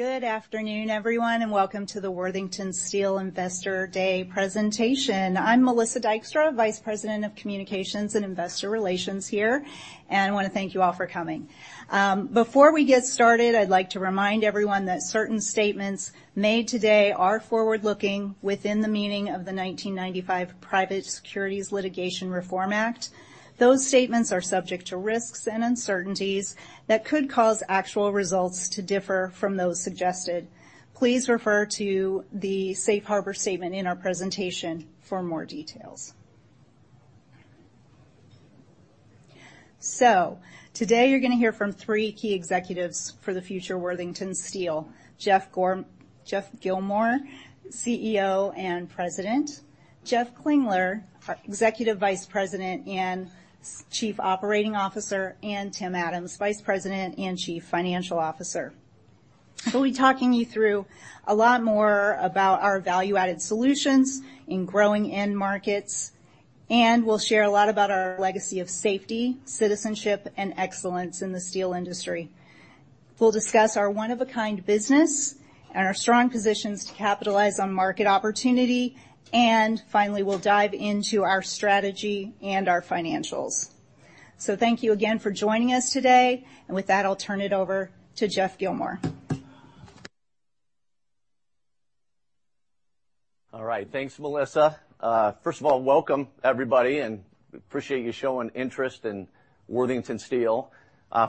All right. Good afternoon, everyone, and welcome to the Worthington Steel Investor Day presentation. I'm Melissa Dykstra, Vice President of Communications and Investor Relations here, and I want to thank you all for coming. Before we get started, I'd like to remind everyone that certain statements made today are forward-looking within the meaning of the 1995 Private Securities Litigation Reform Act. Those statements are subject to risks and uncertainties that could cause actual results to differ from those suggested. Please refer to the safe harbor statement in our presentation for more details. So today, you're gonna hear from three key executives for the future Worthington Steel: Geoff Gilmore, CEO and President, Jeff Klingler, our Executive Vice President and Chief Operating Officer, and Tim Adams, Vice President and Chief Financial Officer. They'll be talking you through a lot more about our value-added solutions in growing end markets, and we'll share a lot about our legacy of safety, citizenship, and excellence in the steel industry. We'll discuss our one-of-a-kind business and our strong positions to capitalize on market opportunity, and finally, we'll dive into our strategy and our financials. So thank you again for joining us today, and with that, I'll turn it over to Geoff Gilmore. All right. Thanks, Melissa. First of all, welcome, everybody, and we appreciate you showing interest in Worthington Steel.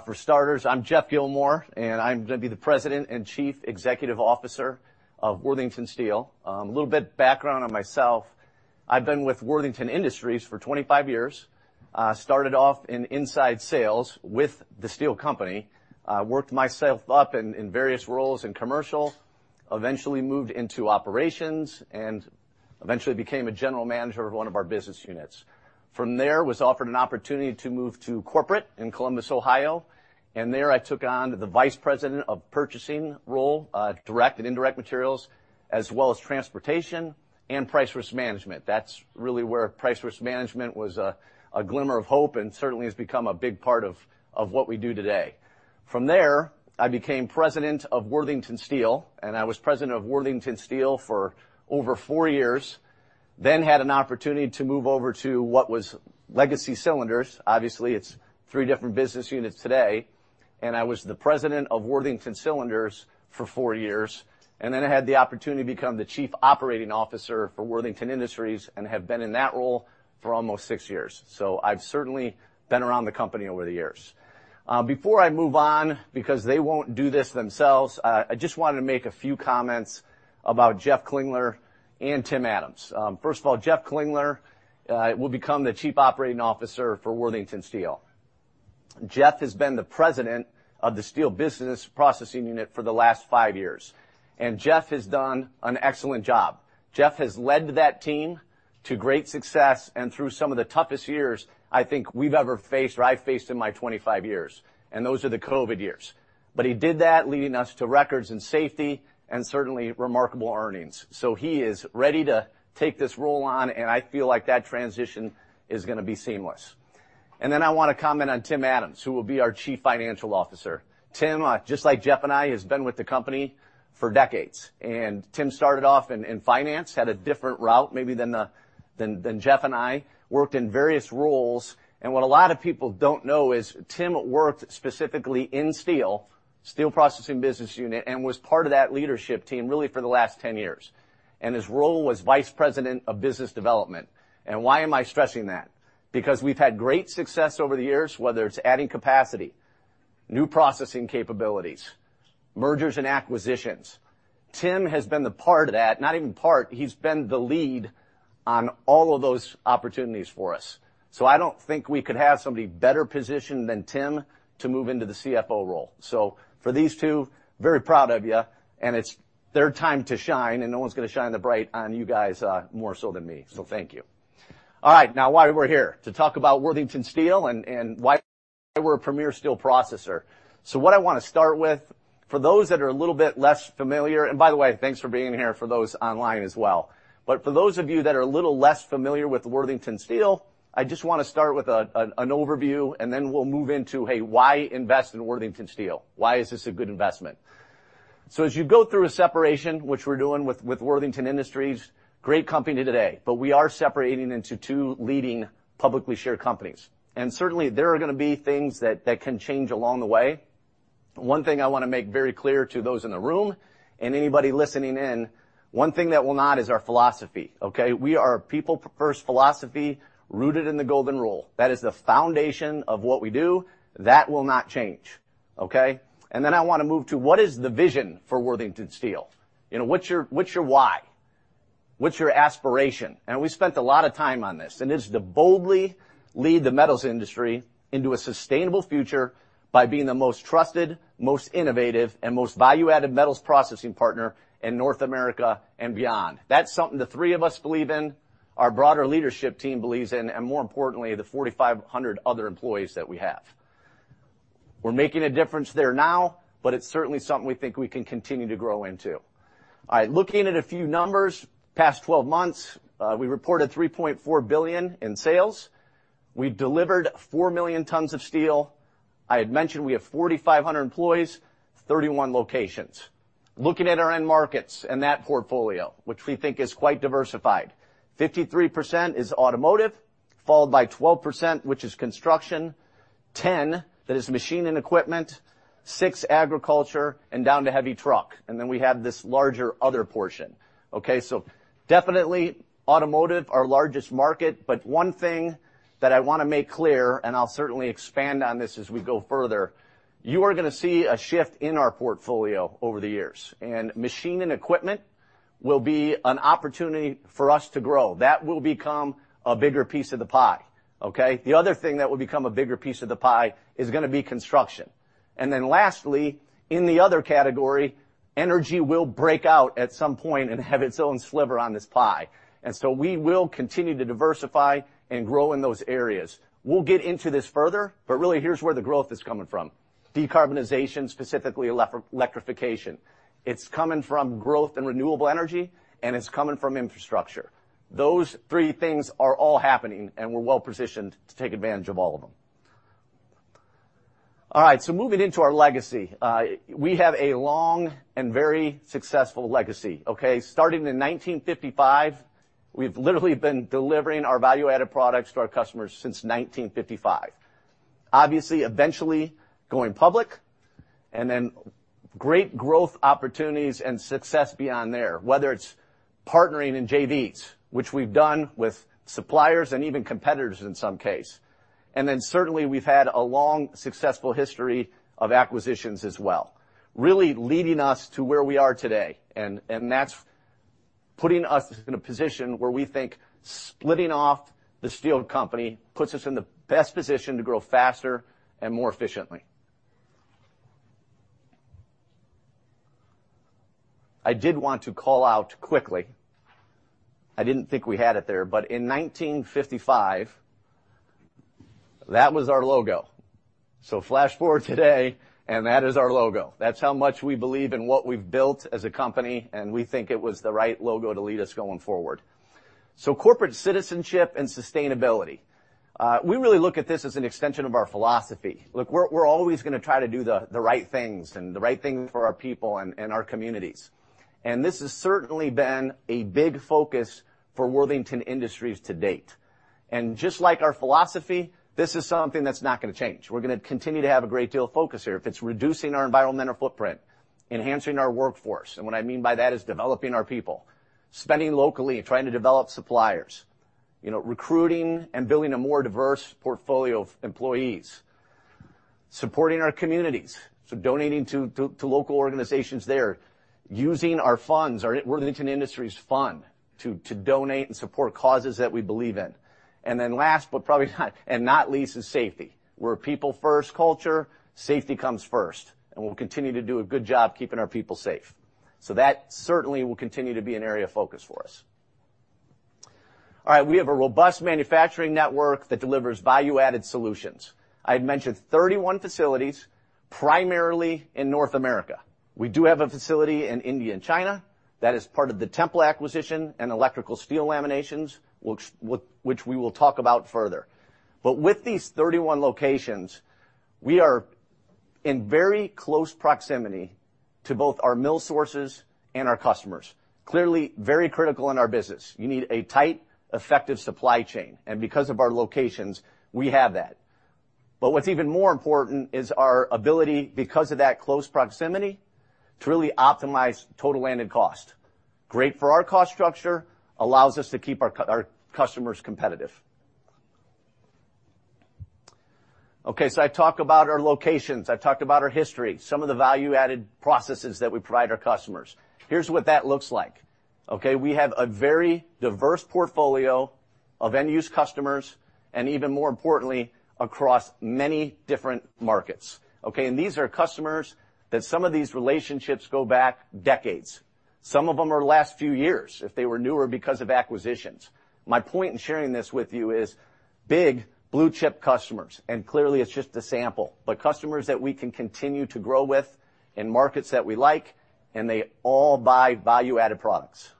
For starters, I'm Geoff Gilmore, and I'm going to be the President and Chief Executive Officer of Worthington Steel. A little bit background on myself. I've been with Worthington Industries for 25 years. Started off in inside sales with the steel company. Worked myself up in various roles in commercial, eventually moved into operations, and eventually became a general manager of one of our business units. From there, was offered an opportunity to move to corporate in Columbus, Ohio, and there I took on the Vice President of Purchasing role, direct and indirect materials, as well as transportation and price risk management. That's really where price risk management was a glimmer of hope and certainly has become a big part of what we do today. From there, I became president of Worthington Steel, and I was president of Worthington Steel for over four years, then had an opportunity to move over to what was Legacy Cylinders. Obviously, it's three different business units today, and I was the president of Worthington Cylinders for four years, and then I had the opportunity to become the Chief Operating Officer for Worthington Industries and have been in that role for almost six years. So I've certainly been around the company over the years. Before I move on, because they won't do this themselves, I just wanted to make a few comments about Jeff Klingler and Tim Adams. First of all, Jeff Klingler will become the Chief Operating Officer for Worthington Steel. Jeff has been the president of the steel business processing unit for the last 5 years, and Jeff has done an excellent job. Jeff has led that team to great success and through some of the toughest years I think we've ever faced or I've faced in my 25 years, and those are the COVID years. But he did that, leading us to records in safety and certainly remarkable earnings. So he is ready to take this role on, and I feel like that transition is gonna be seamless. And then I want to comment on Tim Adams, who will be our Chief Financial Officer. Tim, just like Jeff and I, has been with the company for decades, and Tim started off in finance, had a different route maybe than Jeff and I. Worked in various roles, and what a lot of people don't know is Tim worked specifically in steel, steel processing business unit, and was part of that leadership team, really for the last 10 years, and his role was Vice President of Business Development. And why am I stressing that? Because we've had great success over the years, whether it's adding capacity, new processing capabilities, mergers and acquisitions. Tim has been the part of that, not even part, he's been the lead on all of those opportunities for us. So I don't think we could have somebody better positioned than Tim to move into the CFO role. So for these two, very proud of you, and it's their time to shine, and no one's gonna shine the bright on you guys more so than me. So thank you. All right, now, why we're here: to talk about Worthington Steel and why we're a premier steel processor. So what I want to start with, for those that are a little bit less familiar. And by the way, thanks for being here for those online as well. But for those of you that are a little less familiar with Worthington Steel, I just want to start with an overview, and then we'll move into, "Hey, why invest in Worthington Steel? Why is this a good investment?" So as you go through a separation, which we're doing with, with Worthington Industries, great company today, but we are separating into two leading publicly shared companies, and certainly, there are gonna be things that, that can change along the way. One thing I want to make very clear to those in the room and anybody listening in, one thing that will not is our philosophy, okay? We are a people-first philosophy, rooted in the Golden Rule. That is the foundation of what we do. That will not change, okay? And then I want to move to: what is the vision for Worthington Steel? You know, what's your, what's your why? What's your aspiration? We spent a lot of time on this, and it's to boldly lead the metals industry into a sustainable future by being the most trusted, most innovative, and most value-added metals processing partner in North America and beyond. That's something the three of us believe in, our broader leadership team believes in, and more importantly, the 4,500 other employees that we have. We're making a difference there now, but it's certainly something we think we can continue to grow into.... All right, looking at a few numbers, past 12 months, we reported $3.4 billion in sales. We delivered 4 million tons of steel. I had mentioned we have 4,500 employees, 31 locations. Looking at our end markets and that portfolio, which we think is quite diversified, 53% is automotive, followed by 12%, which is construction, 10%, that is machine and equipment, 6%, agriculture, and down to heavy truck, and then we have this larger other portion, okay? So definitely automotive, our largest market. But one thing that I wanna make clear, and I'll certainly expand on this as we go further, you are gonna see a shift in our portfolio over the years, and machine and equipment will be an opportunity for us to grow. That will become a bigger piece of the pie, okay? The other thing that will become a bigger piece of the pie is gonna be construction. And then lastly, in the other category, energy will break out at some point and have its own sliver on this pie. And so we will continue to diversify and grow in those areas. We'll get into this further, but really, here's where the growth is coming from: decarbonization, specifically electrification. It's coming from growth in renewable energy, and it's coming from infrastructure. Those three things are all happening, and we're well-positioned to take advantage of all of them. All right, so moving into our legacy. We have a long and very successful legacy, okay? Starting in 1955, we've literally been delivering our value-added products to our customers since 1955. Obviously, eventually going public, and then great growth opportunities and success beyond there, whether it's partnering in JVs, which we've done with suppliers and even competitors in some case. And then certainly, we've had a long, successful history of acquisitions as well, really leading us to where we are today, and, and that's putting us in a position where we think splitting off the steel company puts us in the best position to grow faster and more efficiently. I did want to call out quickly, I didn't think we had it there, but in 1955, that was our logo. So flash forward to today, and that is our logo. That's how much we believe in what we've built as a company, and we think it was the right logo to lead us going forward. So corporate citizenship and sustainability. We really look at this as an extension of our philosophy. Look, we're always gonna try to do the right things and the right thing for our people and our communities, and this has certainly been a big focus for Worthington Industries to date. And just like our philosophy, this is something that's not gonna change. We're gonna continue to have a great deal of focus here. If it's reducing our environmental footprint, enhancing our workforce, and what I mean by that is developing our people, spending locally, trying to develop suppliers, you know, recruiting and building a more diverse portfolio of employees, supporting our communities, so donating to local organizations there, using our funds, our Worthington Industries fund, to donate and support causes that we believe in. And then last, but probably not least, is safety. We're a people-first culture. Safety comes first, and we'll continue to do a good job keeping our people safe. So that certainly will continue to be an area of focus for us. All right, we have a robust manufacturing network that delivers value-added solutions. I had mentioned 31 facilities, primarily in North America. We do have a facility in India and China. That is part of the Tempel acquisition and electrical steel laminations, which we will talk about further. But with these 31 locations, we are in very close proximity to both our mill sources and our customers. Clearly, very critical in our business. You need a tight, effective supply chain, and because of our locations, we have that. But what's even more important is our ability, because of that close proximity, to really optimize total landed cost. Great for our cost structure, allows us to keep our customers competitive. Okay, so I talked about our locations. I've talked about our history, some of the value-added processes that we provide our customers. Here's what that looks like, okay? We have a very diverse portfolio of end-use customers and, even more importantly, across many different markets, okay? And these are customers that some of these relationships go back decades. Some of them are the last few years if they were newer because of acquisitions. My point in sharing this with you is big, blue-chip customers, and clearly, it's just a sample, but customers that we can continue to grow with in markets that we like, and they all buy value-added products.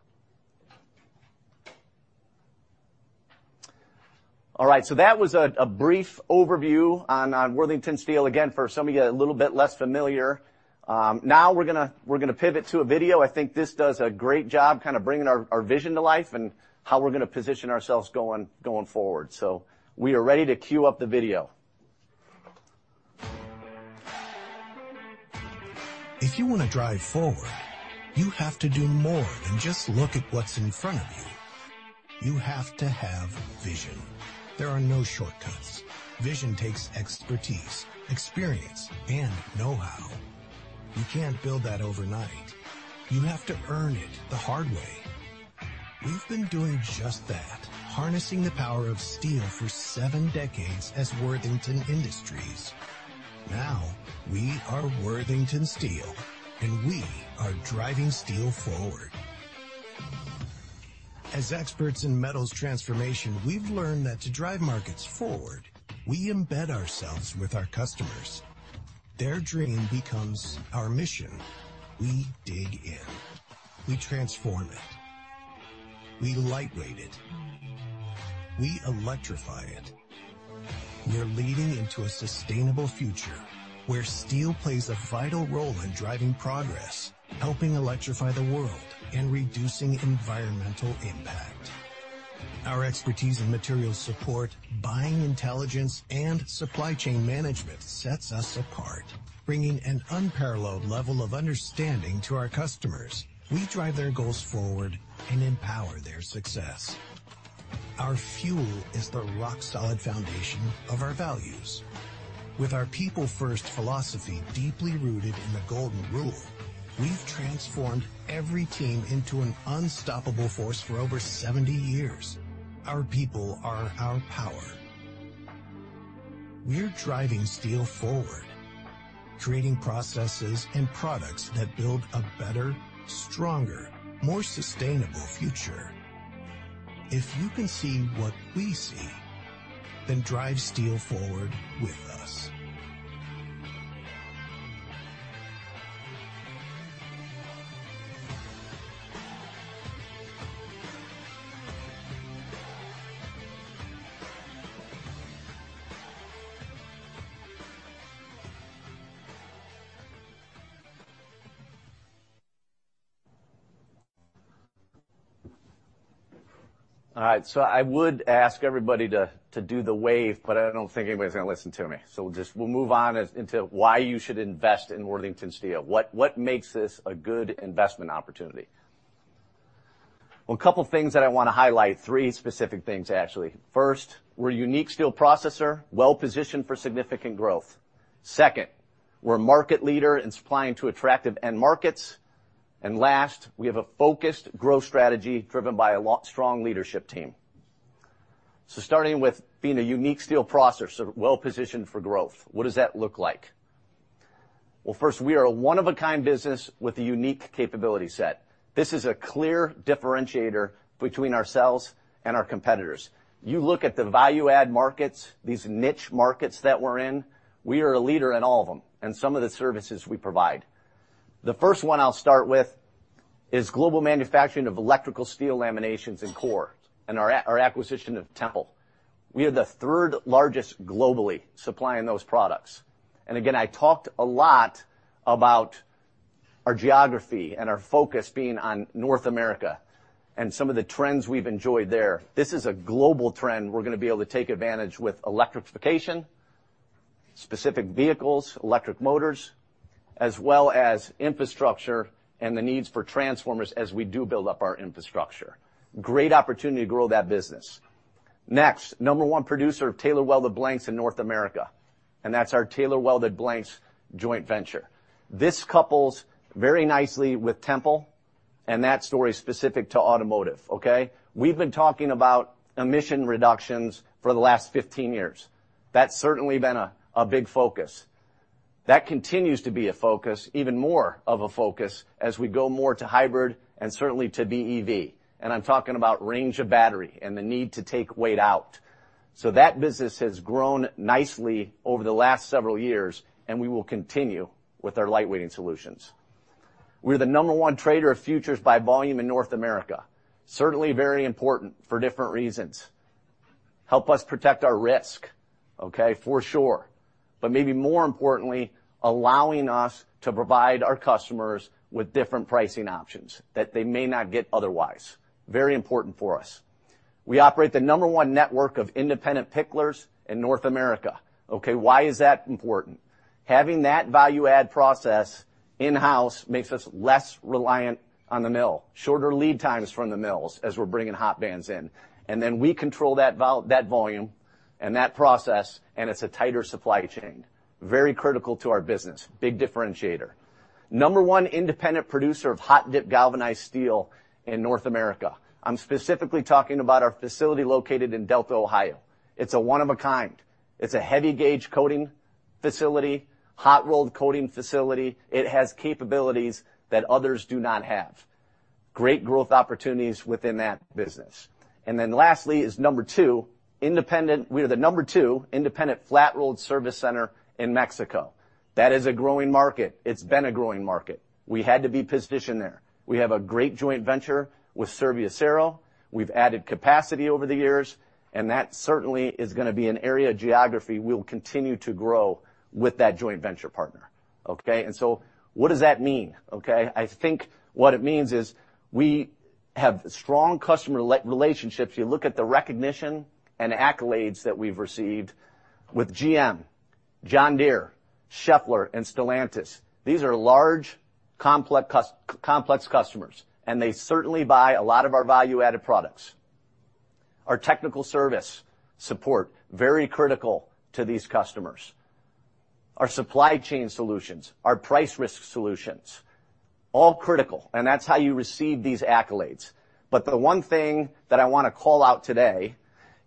All right, so that was a brief overview on Worthington Steel. Again, for some of you, a little bit less familiar. Now we're gonna pivot to a video. I think this does a great job kind of bringing our vision to life and how we're gonna position ourselves going forward. So we are ready to queue up the video. If you wanna drive forward, you have to do more than just look at what's in front of you. You have to have vision. There are no shortcuts. Vision takes expertise, experience, and know-how. You can't build that overnight. You have to earn it the hard way. We've been doing just that, harnessing the power of steel for seven decades as Worthington Industries. Now, we are Worthington Steel, and we are driving steel forward.... As experts in metals transformation, we've learned that to drive markets forward, we embed ourselves with our customers. Their dream becomes our mission. We dig in, we transform it, we lightweight it, we electrify it. We're leading into a sustainable future where steel plays a vital role in driving progress, helping electrify the world, and reducing environmental impact. Our expertise in material support, buying intelligence, and supply chain management sets us apart, bringing an unparalleled level of understanding to our customers. We drive their goals forward and empower their success. Our fuel is the rock-solid foundation of our values. With our people-first philosophy, deeply rooted in the golden rule, we've transformed every team into an unstoppable force for over 70 years. Our people are our power. We're driving steel forward, creating processes and products that build a better, stronger, more sustainable future. If you can see what we see, then drive steel forward with us. All right, so I would ask everybody to, to do the wave, but I don't think anybody's gonna listen to me, so we'll just—we'll move on to why you should invest in Worthington Steel. What, what makes this a good investment opportunity? Well, a couple of things that I wanna highlight, three specific things, actually. First, we're a unique steel processor, well-positioned for significant growth. Second, we're a market leader in supplying to attractive end markets. And last, we have a focused growth strategy driven by a strong leadership team. So starting with being a unique steel processor, well-positioned for growth, what does that look like? Well, first, we are a one-of-a-kind business with a unique capability set. This is a clear differentiator between ourselves and our competitors. You look at the value-add markets, these niche markets that we're in, we are a leader in all of them, and some of the services we provide. The first one I'll start with is global manufacturing of electrical steel laminations and core, and our acquisition of Tempel. We are the third largest globally supplying those products. And again, I talked a lot about our geography and our focus being on North America and some of the trends we've enjoyed there. This is a global trend we're gonna be able to take advantage with electrification, specific vehicles, electric motors, as well as infrastructure and the needs for transformers as we do build up our infrastructure. Great opportunity to grow that business. Next, number one producer of tailor welded blanks in North America, and that's our tailor welded blanks joint venture. This couples very nicely with Tempel, and that story is specific to automotive, okay? We've been talking about emission reductions for the last 15 years. That's certainly been a, a big focus. That continues to be a focus, even more of a focus, as we go more to hybrid and certainly to BEV. And I'm talking about range of battery and the need to take weight out. So that business has grown nicely over the last several years, and we will continue with our lightweighting solutions. We're the number one trader of futures by volume in North America. Certainly very important for different reasons. Help us protect our risk, okay? For sure, but maybe more importantly, allowing us to provide our customers with different pricing options that they may not get otherwise. Very important for us. We operate the number one network of independent picklers in North America. Okay, why is that important? Having that value-add process in-house makes us less reliant on the mill, shorter lead times from the mills as we're bringing hot bands in, and then we control that val-- that volume and that process, and it's a tighter supply chain. Very critical to our business. Big differentiator. Number one independent producer of hot-dip galvanized steel in North America. I'm specifically talking about our facility located in Delta, Ohio. It's a one of a kind. It's a heavy-gauge coating facility, hot-rolled coating facility. It has capabilities that others do not have. Great growth opportunities within that business. Lastly, is number two, independent... We are the number two independent flat-rolled service center in Mexico. That is a growing market. It's been a growing market. We had to be positioned there. We have a great joint venture with Serviacero. We've added capacity over the years, and that certainly is gonna be an area of geography we'll continue to grow with that joint venture partner, okay? And so what does that mean, okay? I think what it means is we have strong customer relationships. You look at the recognition and accolades that we've received with GM, John Deere, Schaeffler, and Stellantis. These are large, complex customers, and they certainly buy a lot of our value-added products. Our technical service support, very critical to these customers. Our supply chain solutions, our price risk solutions, all critical, and that's how you receive these accolades. But the one thing that I wanna call out today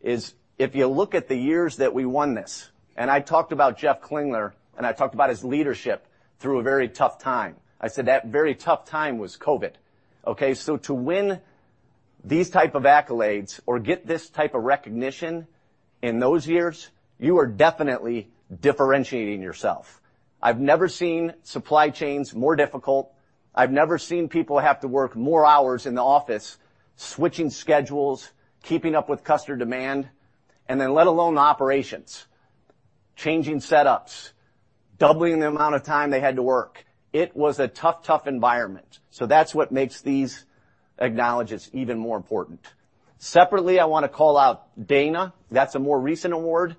is if you look at the years that we won this, and I talked about Jeff Klingler, and I talked about his leadership through a very tough time. I said that very tough time was COVID, okay? So to win these type of accolades or get this type of recognition in those years, you are definitely differentiating yourself. I've never seen supply chains more difficult. I've never seen people have to work more hours in the office, switching schedules, keeping up with customer demand, and then let alone the operations, changing setups, doubling the amount of time they had to work. It was a tough, tough environment, so that's what makes these acknowledgments even more important. Separately, I wanna call out Dana. That's a more recent award,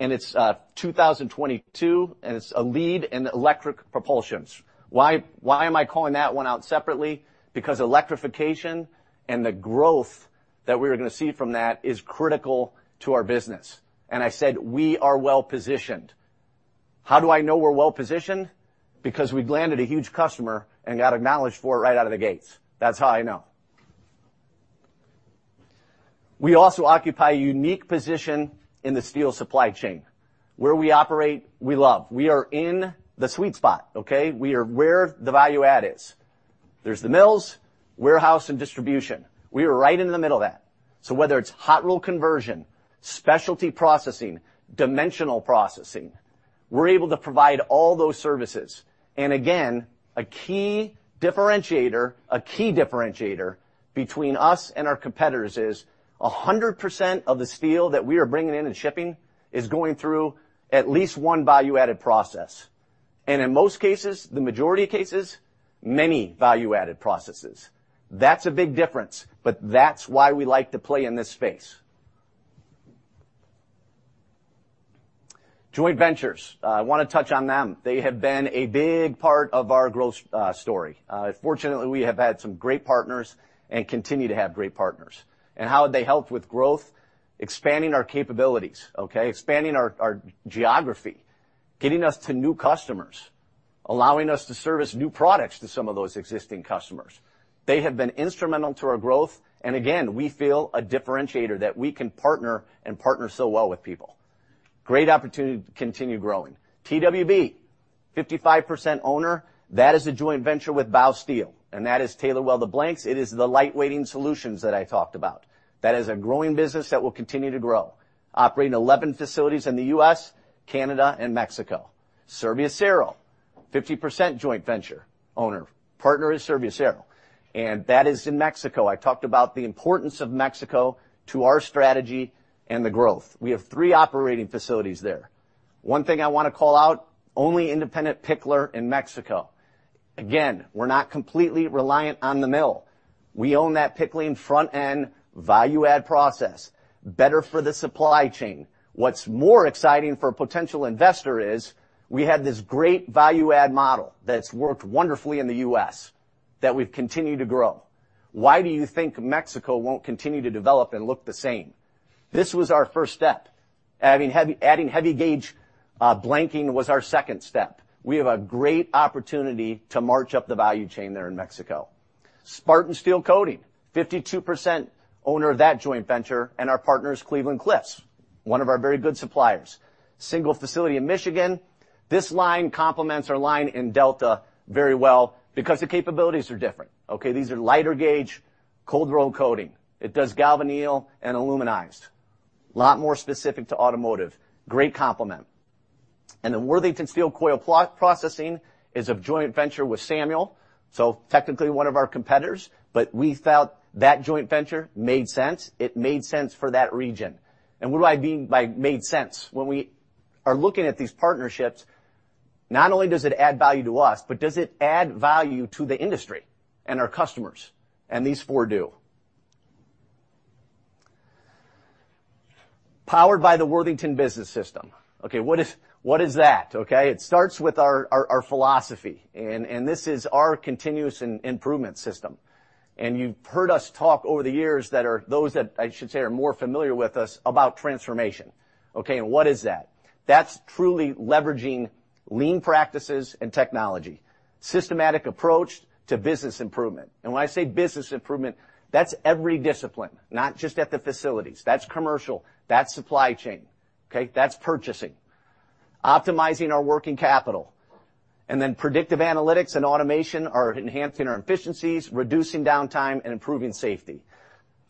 and it's 2022, and it's a lead in electric propulsion. Why, why am I calling that one out separately? Because electrification and the growth that we're gonna see from that is critical to our business. And I said we are well-positioned. How do I know we're well-positioned? Because we've landed a huge customer and got acknowledged for it right out of the gates. That's how I know. We also occupy a unique position in the steel supply chain. Where we operate, we love. We are in the sweet spot, okay? We are where the value add is. There's the mills, warehouse, and distribution. We are right in the middle of that. So whether it's hot roll conversion, specialty processing, dimensional processing, we're able to provide all those services. And again, a key differentiator, a key differentiator between us and our competitors is 100% of the steel that we are bringing in and shipping is going through at least one value-added process, and in most cases, the majority of cases, many value-added processes. That's a big difference, but that's why we like to play in this space. Joint ventures, I wanna touch on them. They have been a big part of our growth story. Fortunately, we have had some great partners and continue to have great partners. And how have they helped with growth? Expanding our capabilities, okay? Expanding our geography, getting us to new customers, allowing us to service new products to some of those existing customers. They have been instrumental to our growth, and again, we feel a differentiator that we can partner and partner so well with people. Great opportunity to continue growing. TWB, 55% owner, that is a joint venture with Baosteel, and that is Tailor Welded Blanks. It is the lightweighting solutions that I talked about. That is a growing business that will continue to grow. Operating 11 facilities in the U.S., Canada, and Mexico. Serviacero, 50% joint venture owner. Partner is Serviacero, and that is in Mexico. I talked about the importance of Mexico to our strategy and the growth. We have three operating facilities there. One thing I wanna call out, only independent pickler in Mexico. Again, we're not completely reliant on the mill. We own that pickling front-end value-add process, better for the supply chain. What's more exciting for a potential investor is we have this great value-add model that's worked wonderfully in the U.S., that we've continued to grow. Why do you think Mexico won't continue to develop and look the same? This was our first step. Adding heavy, adding heavy-gauge, blanking was our second step. We have a great opportunity to march up the value chain there in Mexico. Spartan Steel Coating, 52% owner of that joint venture, and our partner is Cleveland-Cliffs, one of our very good suppliers. Single facility in Michigan. This line complements our line in Delta very well because the capabilities are different, okay? These are lighter gauge, cold roll coating. It does galvanneal and aluminized. A lot more specific to automotive. Great complement. And the Worthington Samuel Coil Processing is a joint venture with Samuel, so technically one of our competitors, but we felt that joint venture made sense. It made sense for that region. And what do I mean by made sense? When we are looking at these partnerships, not only does it add value to us, but does it add value to the industry and our customers, and these four do. Powered by the Worthington Business System. Okay, what is that? Okay, it starts with our philosophy, and this is our continuous improvement system. You've heard us talk over the years, those that are more familiar with us, about transformation. Okay, and what is that? That's truly leveraging lean practices and technology, systematic approach to business improvement. And when I say business improvement, that's every discipline, not just at the facilities. That's commercial, that's supply chain, okay? That's purchasing, optimizing our working capital, and then predictive analytics and automation are enhancing our efficiencies, reducing downtime, and improving safety.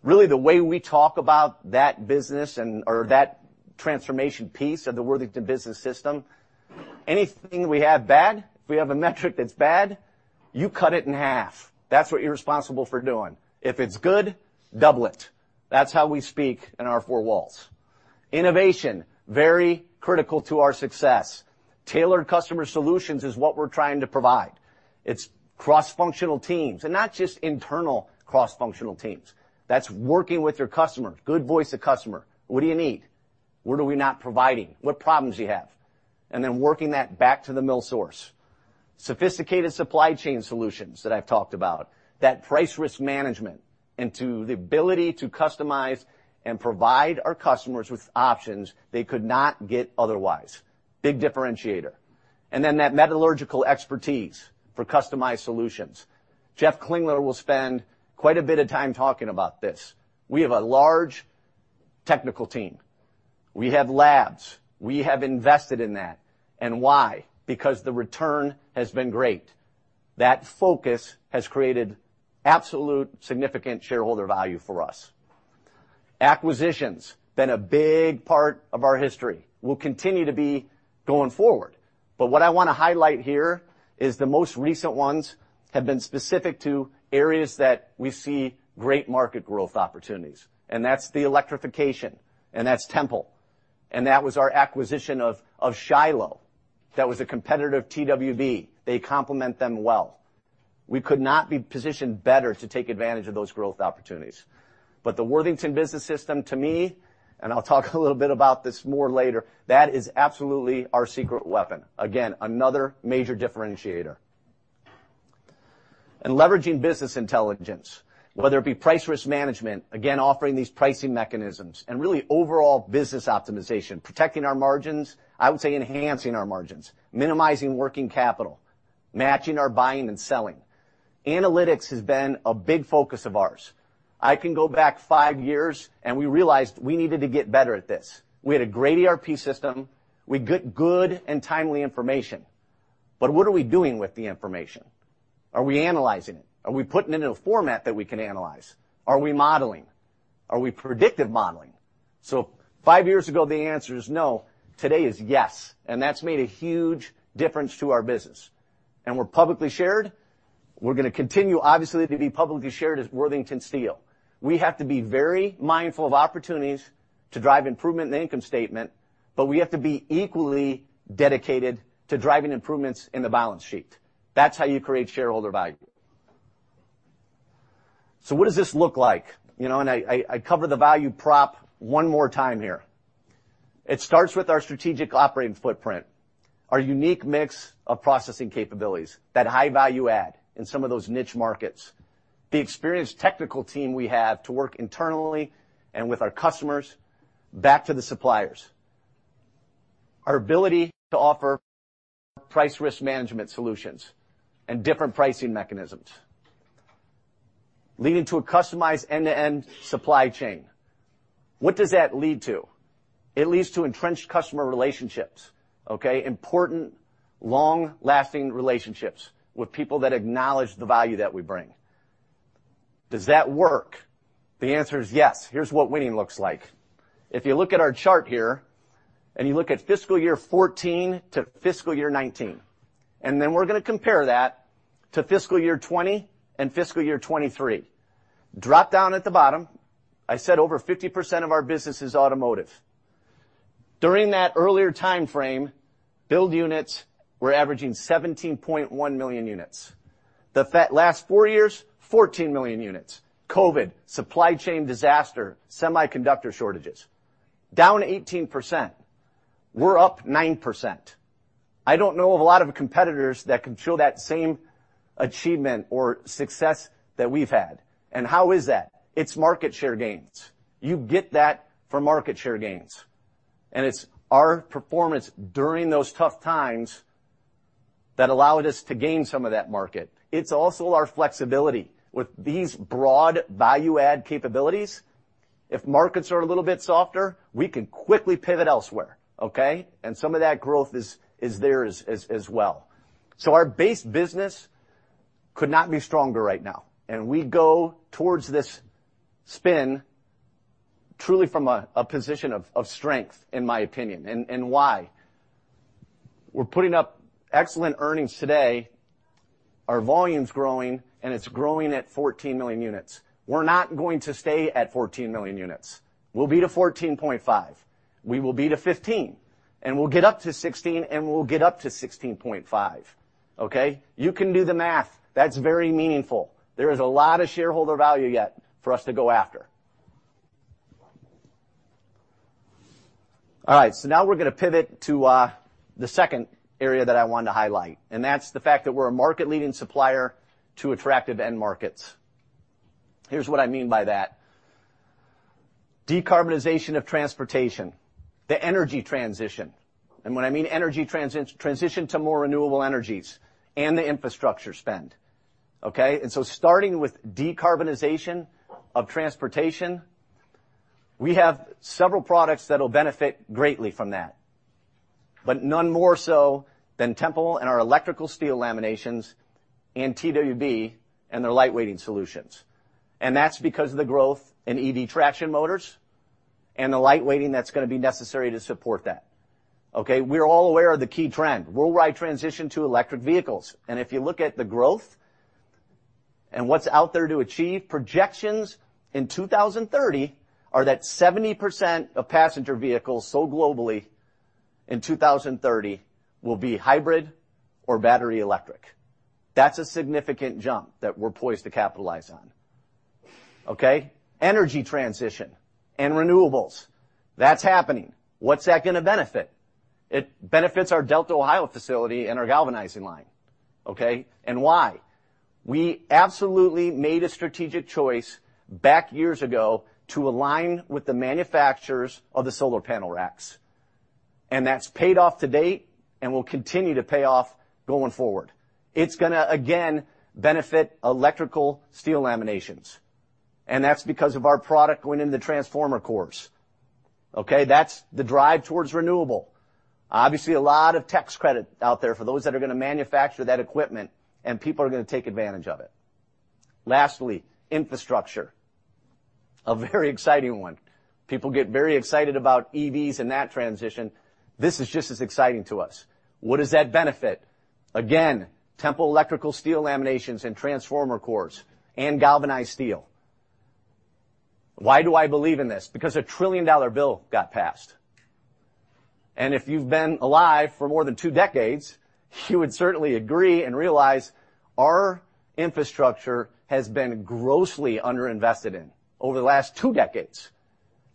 Really, the way we talk about that business and, or that transformation piece of the Worthington Business System, anything we have bad, if we have a metric that's bad, you cut it in half. That's what you're responsible for doing. If it's good, double it. That's how we speak in our four walls. Innovation, very critical to our success. Tailored customer solutions is what we're trying to provide. It's cross-functional teams, and not just internal cross-functional teams. That's working with your customer, good voice of customer. "What do you need? What are we not providing? What problems do you have?" And then working that back to the mill source. Sophisticated supply chain solutions that I've talked about, that price risk management, and to the ability to customize and provide our customers with options they could not get otherwise. Big differentiator... and then that metallurgical expertise for customized solutions. Jeff Klingler will spend quite a bit of time talking about this. We have a large technical team. We have labs. We have invested in that. And why? Because the return has been great. That focus has created absolute significant shareholder value for us. Acquisitions, been a big part of our history, will continue to be going forward. But what I wanna highlight here is the most recent ones have been specific to areas that we see great market growth opportunities, and that's the electrification, and that's Tempel, and that was our acquisition of, of Shiloh. That was a competitive TWB. They complement them well. We could not be positioned better to take advantage of those growth opportunities. But the Worthington business system to me, and I'll talk a little bit about this more later, that is absolutely our secret weapon. Again, another major differentiator. And leveraging business intelligence, whether it be price risk management, again, offering these pricing mechanisms and really overall business optimization, protecting our margins, I would say enhancing our margins, minimizing working capital, matching our buying and selling. Analytics has been a big focus of ours. I can go back five years, and we realized we needed to get better at this. We had a great ERP system. We got good and timely information, but what are we doing with the information? Are we analyzing it? Are we putting it in a format that we can analyze? Are we modeling? Are we predictive modeling? So five years ago, the answer is no. Today is yes, and that's made a huge difference to our business. And we're publicly traded. We're gonna continue, obviously, to be publicly traded as Worthington Steel. We have to be very mindful of opportunities to drive improvement in the income statement, but we have to be equally dedicated to driving improvements in the balance sheet. That's how you create shareholder value. So what does this look like? You know, and I cover the value prop one more time here. It starts with our strategic operating footprint, our unique mix of processing capabilities, that high value add in some of those niche markets, the experienced technical team we have to work internally and with our customers, back to the suppliers. Our ability to offer price risk management solutions and different pricing mechanisms, leading to a customized end-to-end supply chain. What does that lead to? It leads to entrenched customer relationships, okay? Important, long-lasting relationships with people that acknowledge the value that we bring. Does that work? The answer is yes. Here's what winning looks like. If you look at our chart here, and you look at fiscal year 2014 to fiscal year 2019, and then we're gonna compare that to fiscal year 2020 and fiscal year 2023. Drop down at the bottom. I said over 50% of our business is automotive. During that earlier time frame, build units were averaging 17.1 million units. The last four years, 14 million units. COVID, supply chain disaster, semiconductor shortages, down 18%. We're up 9%. I don't know of a lot of competitors that can show that same achievement or success that we've had. How is that? It's market share gains. You get that from market share gains, and it's our performance during those tough times that allowed us to gain some of that market. It's also our flexibility with these broad value add capabilities. If markets are a little bit softer, we can quickly pivot elsewhere, okay? And some of that growth is there as well. So our base business could not be stronger right now, and we go towards this spin truly from a position of strength, in my opinion, and why? We're putting up excellent earnings today, our volume's growing, and it's growing at 14 million units. We're not going to stay at 14 million units. We'll be to 14.5 million units. We will be to 15 million units, and we'll get up to 16 million units, and we'll get up to 16.5 million units, okay? You can do the math. That's very meaningful. There is a lot of shareholder value yet for us to go after. All right, so now we're gonna pivot to the second area that I wanted to highlight, and that's the fact that we're a market-leading supplier to attractive end markets. Here's what I mean by that. Decarbonization of transportation, the energy transition, and when I mean transition to more renewable energies and the infrastructure spend, okay? And so starting with decarbonization of transportation, we have several products that will benefit greatly from that, but none more so than Tempel and our electrical steel laminations and TWB and their lightweighting solutions. And that's because of the growth in EV traction motors and the lightweighting that's gonna be necessary to support that. Okay, we're all aware of the key trend, worldwide transition to electric vehicles. And if you look at the growth and what's out there to achieve, projections in 2030 are that 70% of passenger vehicles, so globally, in 2030 will be hybrid or battery electric. That's a significant jump that we're poised to capitalize on, okay? Energy transition and renewables, that's happening. What's that gonna benefit? It benefits our Delta, Ohio facility and our galvanizing line, okay? Why?... We absolutely made a strategic choice back years ago to align with the manufacturers of the solar panel racks, and that's paid off to date and will continue to pay off going forward. It's gonna, again, benefit electrical steel laminations, and that's because of our product going into the transformer cores, okay? That's the drive towards renewable. Obviously, a lot of tax credit out there for those that are gonna manufacture that equipment, and people are gonna take advantage of it. Lastly, infrastructure, a very exciting one. People get very excited about EVs and that transition. This is just as exciting to us. What does that benefit? Again, Tempel electrical steel laminations and transformer cores and galvanized steel. Why do I believe in this? Because a trillion-dollar bill got passed, and if you've been alive for more than two decades, you would certainly agree and realize our infrastructure has been grossly underinvested in over the last 20 years.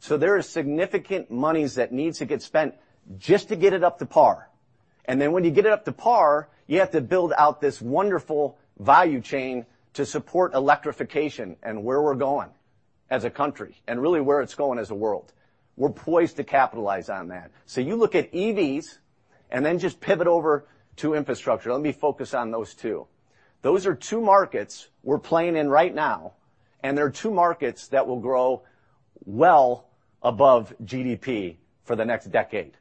There is significant monies that needs to get spent just to get it up to par, and when you get it up to par, you have to build out this wonderful value chain to support electrification and where we're going as a country, and really, where it's going as a world. We're poised to capitalize on that. You look at EVs and then just pivot over to infrastructure. Let me focus on those two. Those are two markets we're playing in right now, and they are two markets that will grow well above GDP for the next decade.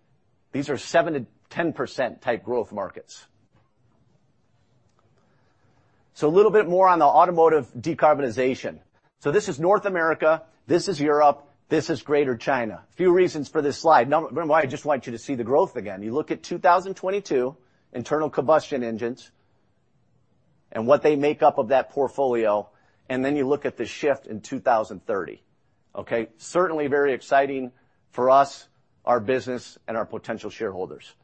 These are 7%-10% type growth markets. So a little bit more on the automotive decarbonization. So this is North America, this is Europe, this is Greater China. Few reasons for this slide. Now, remember, I just want you to see the growth again. You look at 2022 internal combustion engines and what they make up of that portfolio, and then you look at the shift in 2030, okay? Certainly very exciting for us, our business, and our potential shareholders.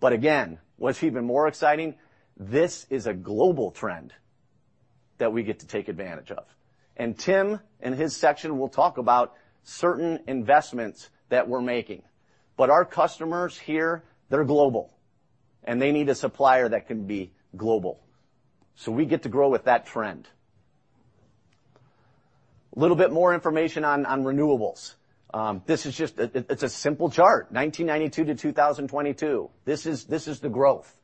But again, what's even more exciting, this is a global trend that we get to take advantage of. And Tim, in his section, will talk about certain investments that we're making, but our customers here, they're global, and they need a supplier that can be global. So we get to grow with that trend. Little bit more information on renewables. This is just a simple chart, 1992 to 2022. This is, this is the growth.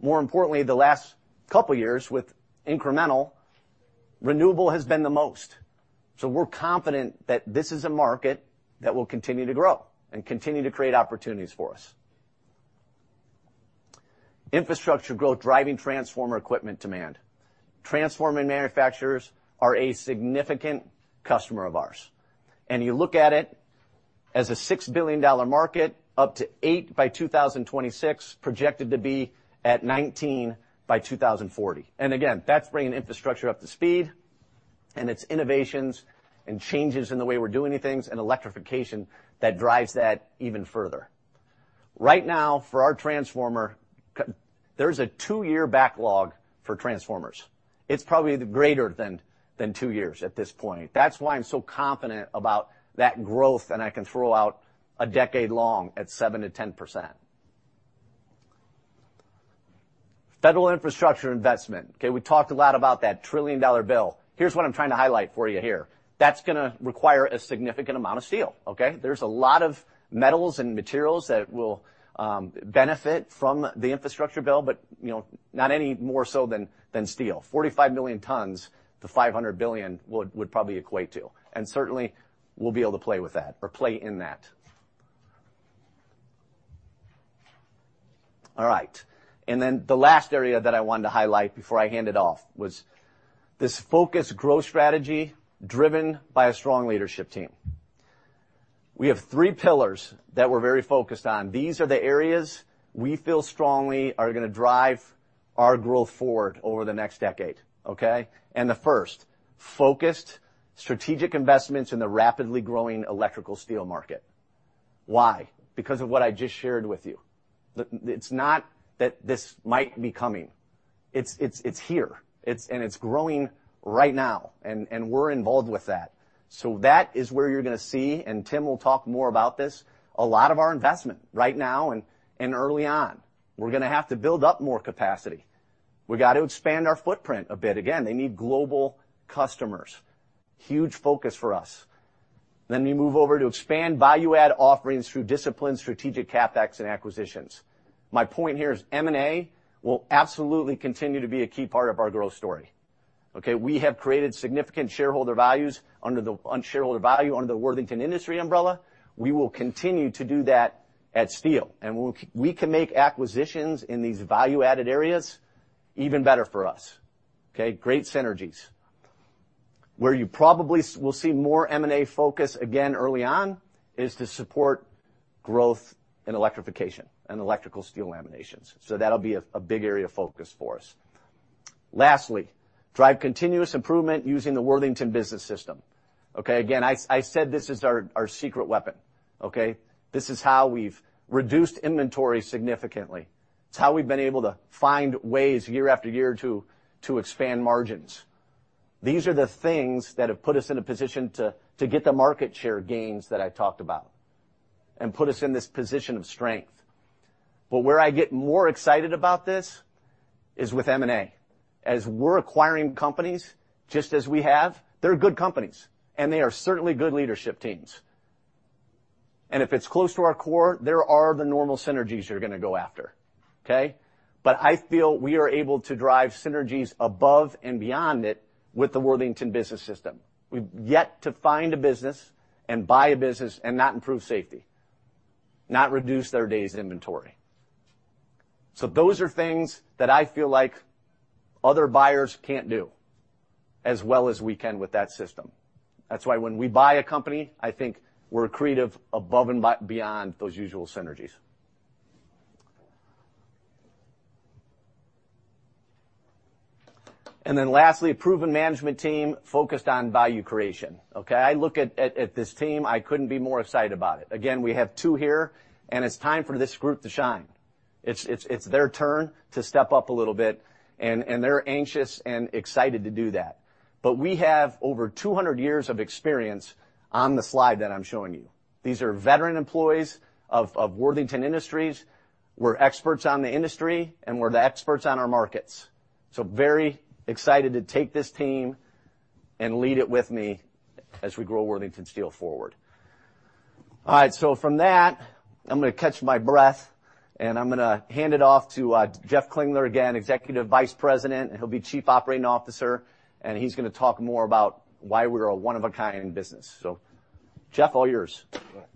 More importantly, the last couple years, with incremental, renewable has been the most. We're confident that this is a market that will continue to grow and continue to create opportunities for us. Infrastructure growth driving transformer equipment demand. Transformer manufacturers are a significant customer of ours, and you look at it as a $6 billion market, up to $8 billion by 2026, projected to be at $19 billion by 2040. Again, that's bringing infrastructure up to speed, and it's innovations and changes in the way we're doing things and electrification that drives that even further. Right now, for our transformer c-- there's a two-year backlog for transformers. It's probably greater than, than two years at this point. That's why I'm so confident about that growth, and I can throw out a decade-long at 7%-10%. Federal infrastructure investment. Okay, we talked a lot about that $1 trillion bill. Here's what I'm trying to highlight for you here. That's gonna require a significant amount of steel, okay? There's a lot of metals and materials that will benefit from the infrastructure bill, but, you know, not any more so than steel. 45 million tons to $500 billion would probably equate to, and certainly, we'll be able to play with that or play in that. All right, and then the last area that I wanted to highlight before I hand it off was this focused growth strategy driven by a strong leadership team. We have three pillars that we're very focused on. These are the areas we feel strongly are gonna drive our growth forward over the next decade, okay? The first, focused strategic investments in the rapidly growing electrical steel market. Why? Because of what I just shared with you. It's not that this might be coming. It's, it's, it's here. It's, and it's growing right now, and we're involved with that. That is where you're gonna see, and Tim will talk more about this, a lot of our investment right now and early on. We're gonna have to build up more capacity. We got to expand our footprint a bit. Again, they need global customers. Huge focus for us. We move over to expand value-add offerings through disciplined strategic CapEx and acquisitions. My point here is M&A will absolutely continue to be a key part of our growth story, okay? We have created significant shareholder value under the Worthington Industries umbrella. We will continue to do that at Steel, and we can make acquisitions in these value-added areas even better for us, okay? Great synergies. Where you probably will see more M&A focus again early on is to support growth in electrification and electrical steel laminations, so that'll be a big area of focus for us. Lastly, drive continuous improvement using the Worthington Business System. Okay, again, I said this is our secret weapon, okay? This is how we've reduced inventory significantly. It's how we've been able to find ways year after year to expand margins. These are the things that have put us in a position to get the market share gains that I talked about and put us in this position of strength. But where I get more excited about this is with M&A. As we're acquiring companies, just as we have, they're good companies, and they are certainly good leadership teams. And if it's close to our core, there are the normal synergies you're gonna go after, okay? But I feel we are able to drive synergies above and beyond it with the Worthington Business System. We've yet to find a business and buy a business and not improve safety, not reduce their days inventory. So those are things that I feel like other buyers can't do as well as we can with that system. That's why when we buy a company, I think we're creative above and beyond those usual synergies. And then lastly, a proven management team focused on value creation, okay? I look at this team, I couldn't be more excited about it. Again, we have two here, and it's time for this group to shine. It's, it's, it's their turn to step up a little bit, and, and they're anxious and excited to do that. But we have over 200 years of experience on the slide that I'm showing you. These are veteran employees of Worthington Industries. We're experts on the industry, and we're the experts on our markets. So very excited to take this team and lead it with me as we grow Worthington Steel forward. All right, so from that, I'm gonna catch my breath, and I'm gonna hand it off to Jeff Klingler, again, Executive Vice President, and he'll be Chief Operating Officer, and he's gonna talk more about why we're a one-of-a-kind business. So, Jeff, all yours. All right.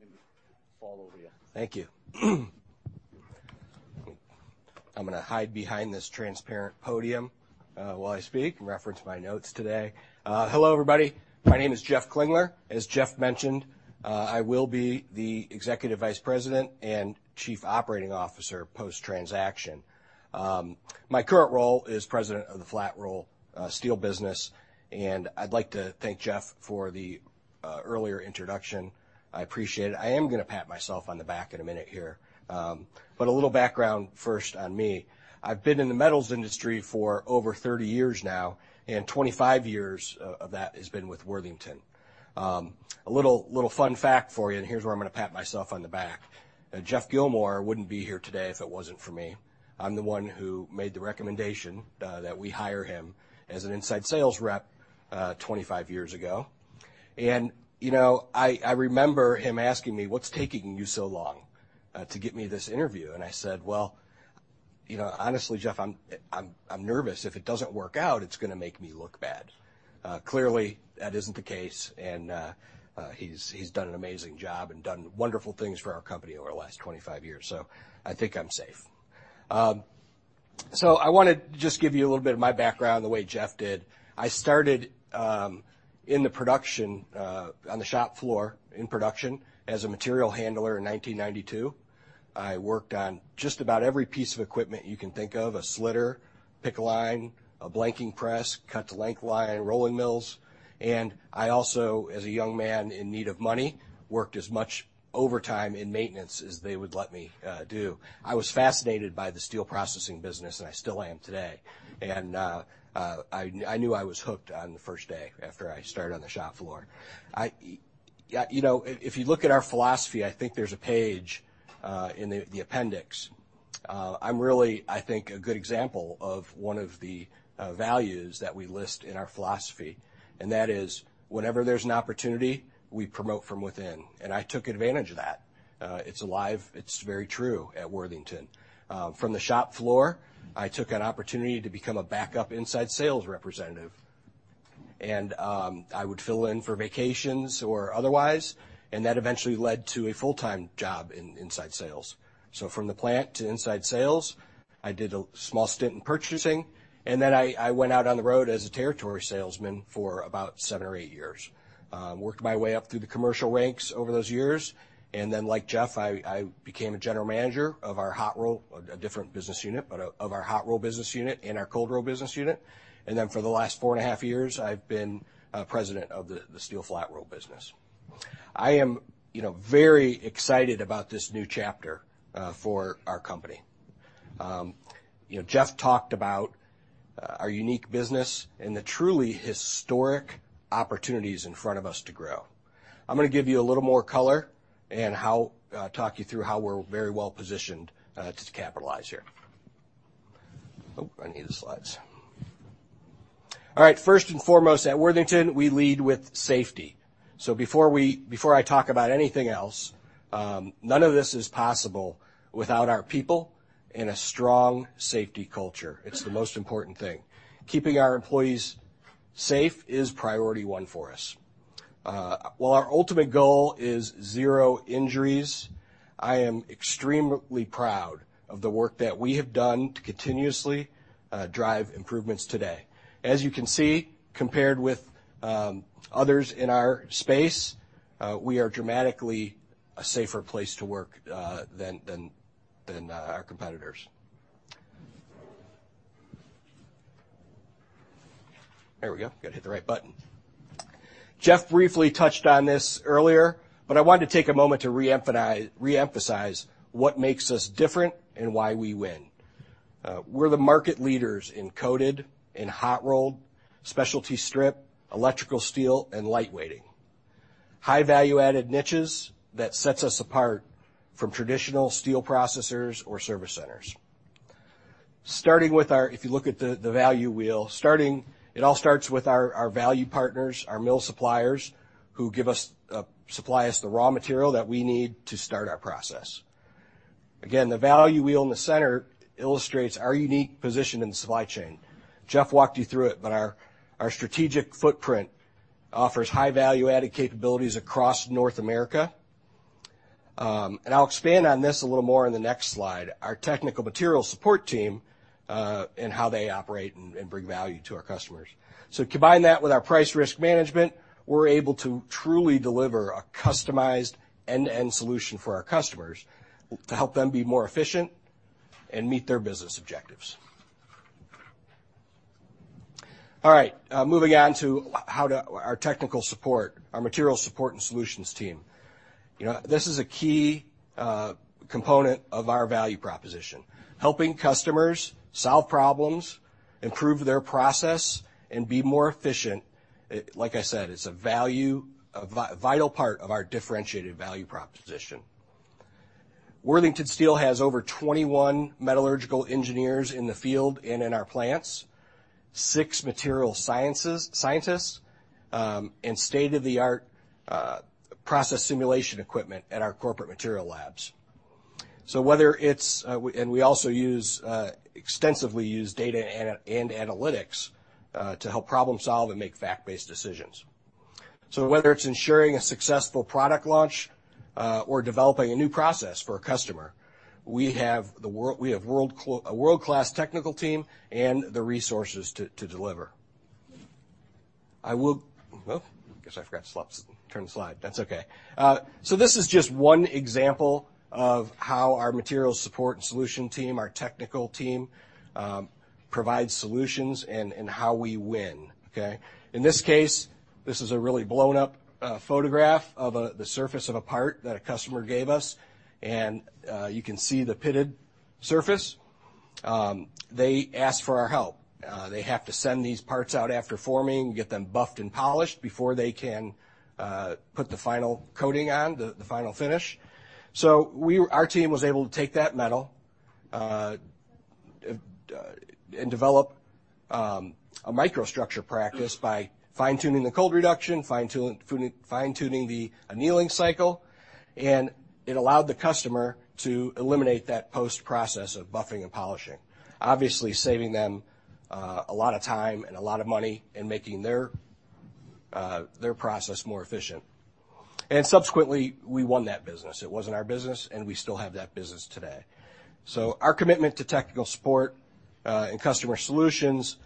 Let me fall over you. Thank you. I'm gonna hide behind this transparent podium while I speak and reference my notes today. Hello, everybody. My name is Jeff Klingler. As Jeff mentioned, I will be the Executive Vice President and Chief Operating Officer, post-transaction. My current role is President of the Flat Roll Steel business, and I'd like to thank Jeff for the earlier introduction. I appreciate it. I am gonna pat myself on the back in a minute here. But a little background first on me. I've been in the metals industry for over 30 years now, and 25 years of that has been with Worthington. A little fun fact for you, and here's where I'm gonna pat myself on the back. Geoff Gilmore wouldn't be here today if it wasn't for me. I'm the one who made the recommendation that we hire him as an inside sales rep 25 years ago. And, you know, I remember him asking me: "What's taking you so long to get me this interview?" And I said, "Well, you know, honestly, Jeff, I'm nervous. If it doesn't work out, it's gonna make me look bad." Clearly, that isn't the case, and he's done an amazing job and done wonderful things for our company over the last 25 years, so I think I'm safe. So I wanna just give you a little bit of my background, the way Jeff did. I started in the production on the shop floor in production as a material handler in 1992. I worked on just about every piece of equipment you can think of, a slitter, pickling line, a blanking press, cut-to-length line, rolling mills. And I also, as a young man in need of money, worked as much overtime in maintenance as they would let me do. I was fascinated by the steel processing business, and I still am today. And I knew I was hooked on the first day after I started on the shop floor. You know, if you look at our philosophy, I think there's a page in the appendix. I'm really, I think, a good example of one of the values that we list in our philosophy, and that is, whenever there's an opportunity, we promote from within, and I took advantage of that. It's alive, it's very true at Worthington. From the shop floor, I took an opportunity to become a backup inside sales representative, and I would fill in for vacations or otherwise, and that eventually led to a full-time job in inside sales. So from the plant to inside sales, I did a small stint in purchasing, and then I went out on the road as a territory salesman for about seven or eight years. Worked my way up through the commercial ranks over those years, and then, like Jeff, I became a general manager of our hot roll, a different business unit, but of our hot roll business unit and our cold roll business unit. And then for the last four and a half years, I've been president of the steel flat roll business. I am, you know, very excited about this new chapter for our company. You know, Jeff talked about our unique business and the truly historic opportunities in front of us to grow. I'm gonna give you a little more color and talk you through how we're very well positioned to capitalize here. Oh, I need the slides. First and foremost, at Worthington, we lead with safety. Before I talk about anything else, none of this is possible without our people and a strong safety culture. It's the most important thing. Keeping our employees safe is priority one for us. While our ultimate goal is zero injuries, I am extremely proud of the work that we have done to continuously drive improvements today. As you can see, compared with others in our space, we are dramatically a safer place to work than our competitors. There we go. Gotta hit the right button. Jeff briefly touched on this earlier, but I wanted to take a moment to reemphasize what makes us different and why we win. We're the market leaders in coated, in hot-rolled, specialty strip, electrical steel, and light weighting. High value-added niches that sets us apart from traditional steel processors or service centers. If you look at the value wheel, it all starts with our value partners, our mill suppliers, who supply us the raw material that we need to start our process. Again, the value wheel in the center illustrates our unique position in the supply chain. Jeff walked you through it, but our strategic footprint offers high value-added capabilities across North America. And I'll expand on this a little more in the next slide, our technical material support team, and how they operate and bring value to our customers. So combine that with our price risk management, we're able to truly deliver a customized end-to-end solution for our customers, to help them be more efficient and meet their business objectives. All right, moving on to our technical support, our material support and solutions team. You know, this is a key component of our value proposition. Helping customers solve problems, improve their process, and be more efficient, it, like I said, it's a vital part of our differentiated value proposition. Worthington Steel has over 21 metallurgical engineers in the field and in our plants, six material scientists, and state-of-the-art process simulation equipment at our corporate material labs. Whether it's, we also extensively use data and analytics to help problem solve and make fact-based decisions. Whether it's ensuring a successful product launch or developing a new process for a customer, we have a world-class technical team and the resources to deliver. I will-- Oh, I guess I forgot to swap, turn the slide. That's okay. This is just one example of how our material support and solution team, our technical team, provides solutions and how we win, okay? In this case, this is a really blown-up photograph of the surface of a part that a customer gave us, and you can see the pitted surface. They asked for our help. They have to send these parts out after forming, get them buffed and polished before they can put the final coating on, the final finish. So our team was able to take that metal and develop a microstructure practice by fine-tuning the cold reduction, fine-tuning the annealing cycle, and it allowed the customer to eliminate that post-process of buffing and polishing. Obviously, saving them a lot of time and a lot of money, and making their process more efficient. Subsequently, we won that business. It wasn't our business, and we still have that business today. So our commitment to technical support and customer solutions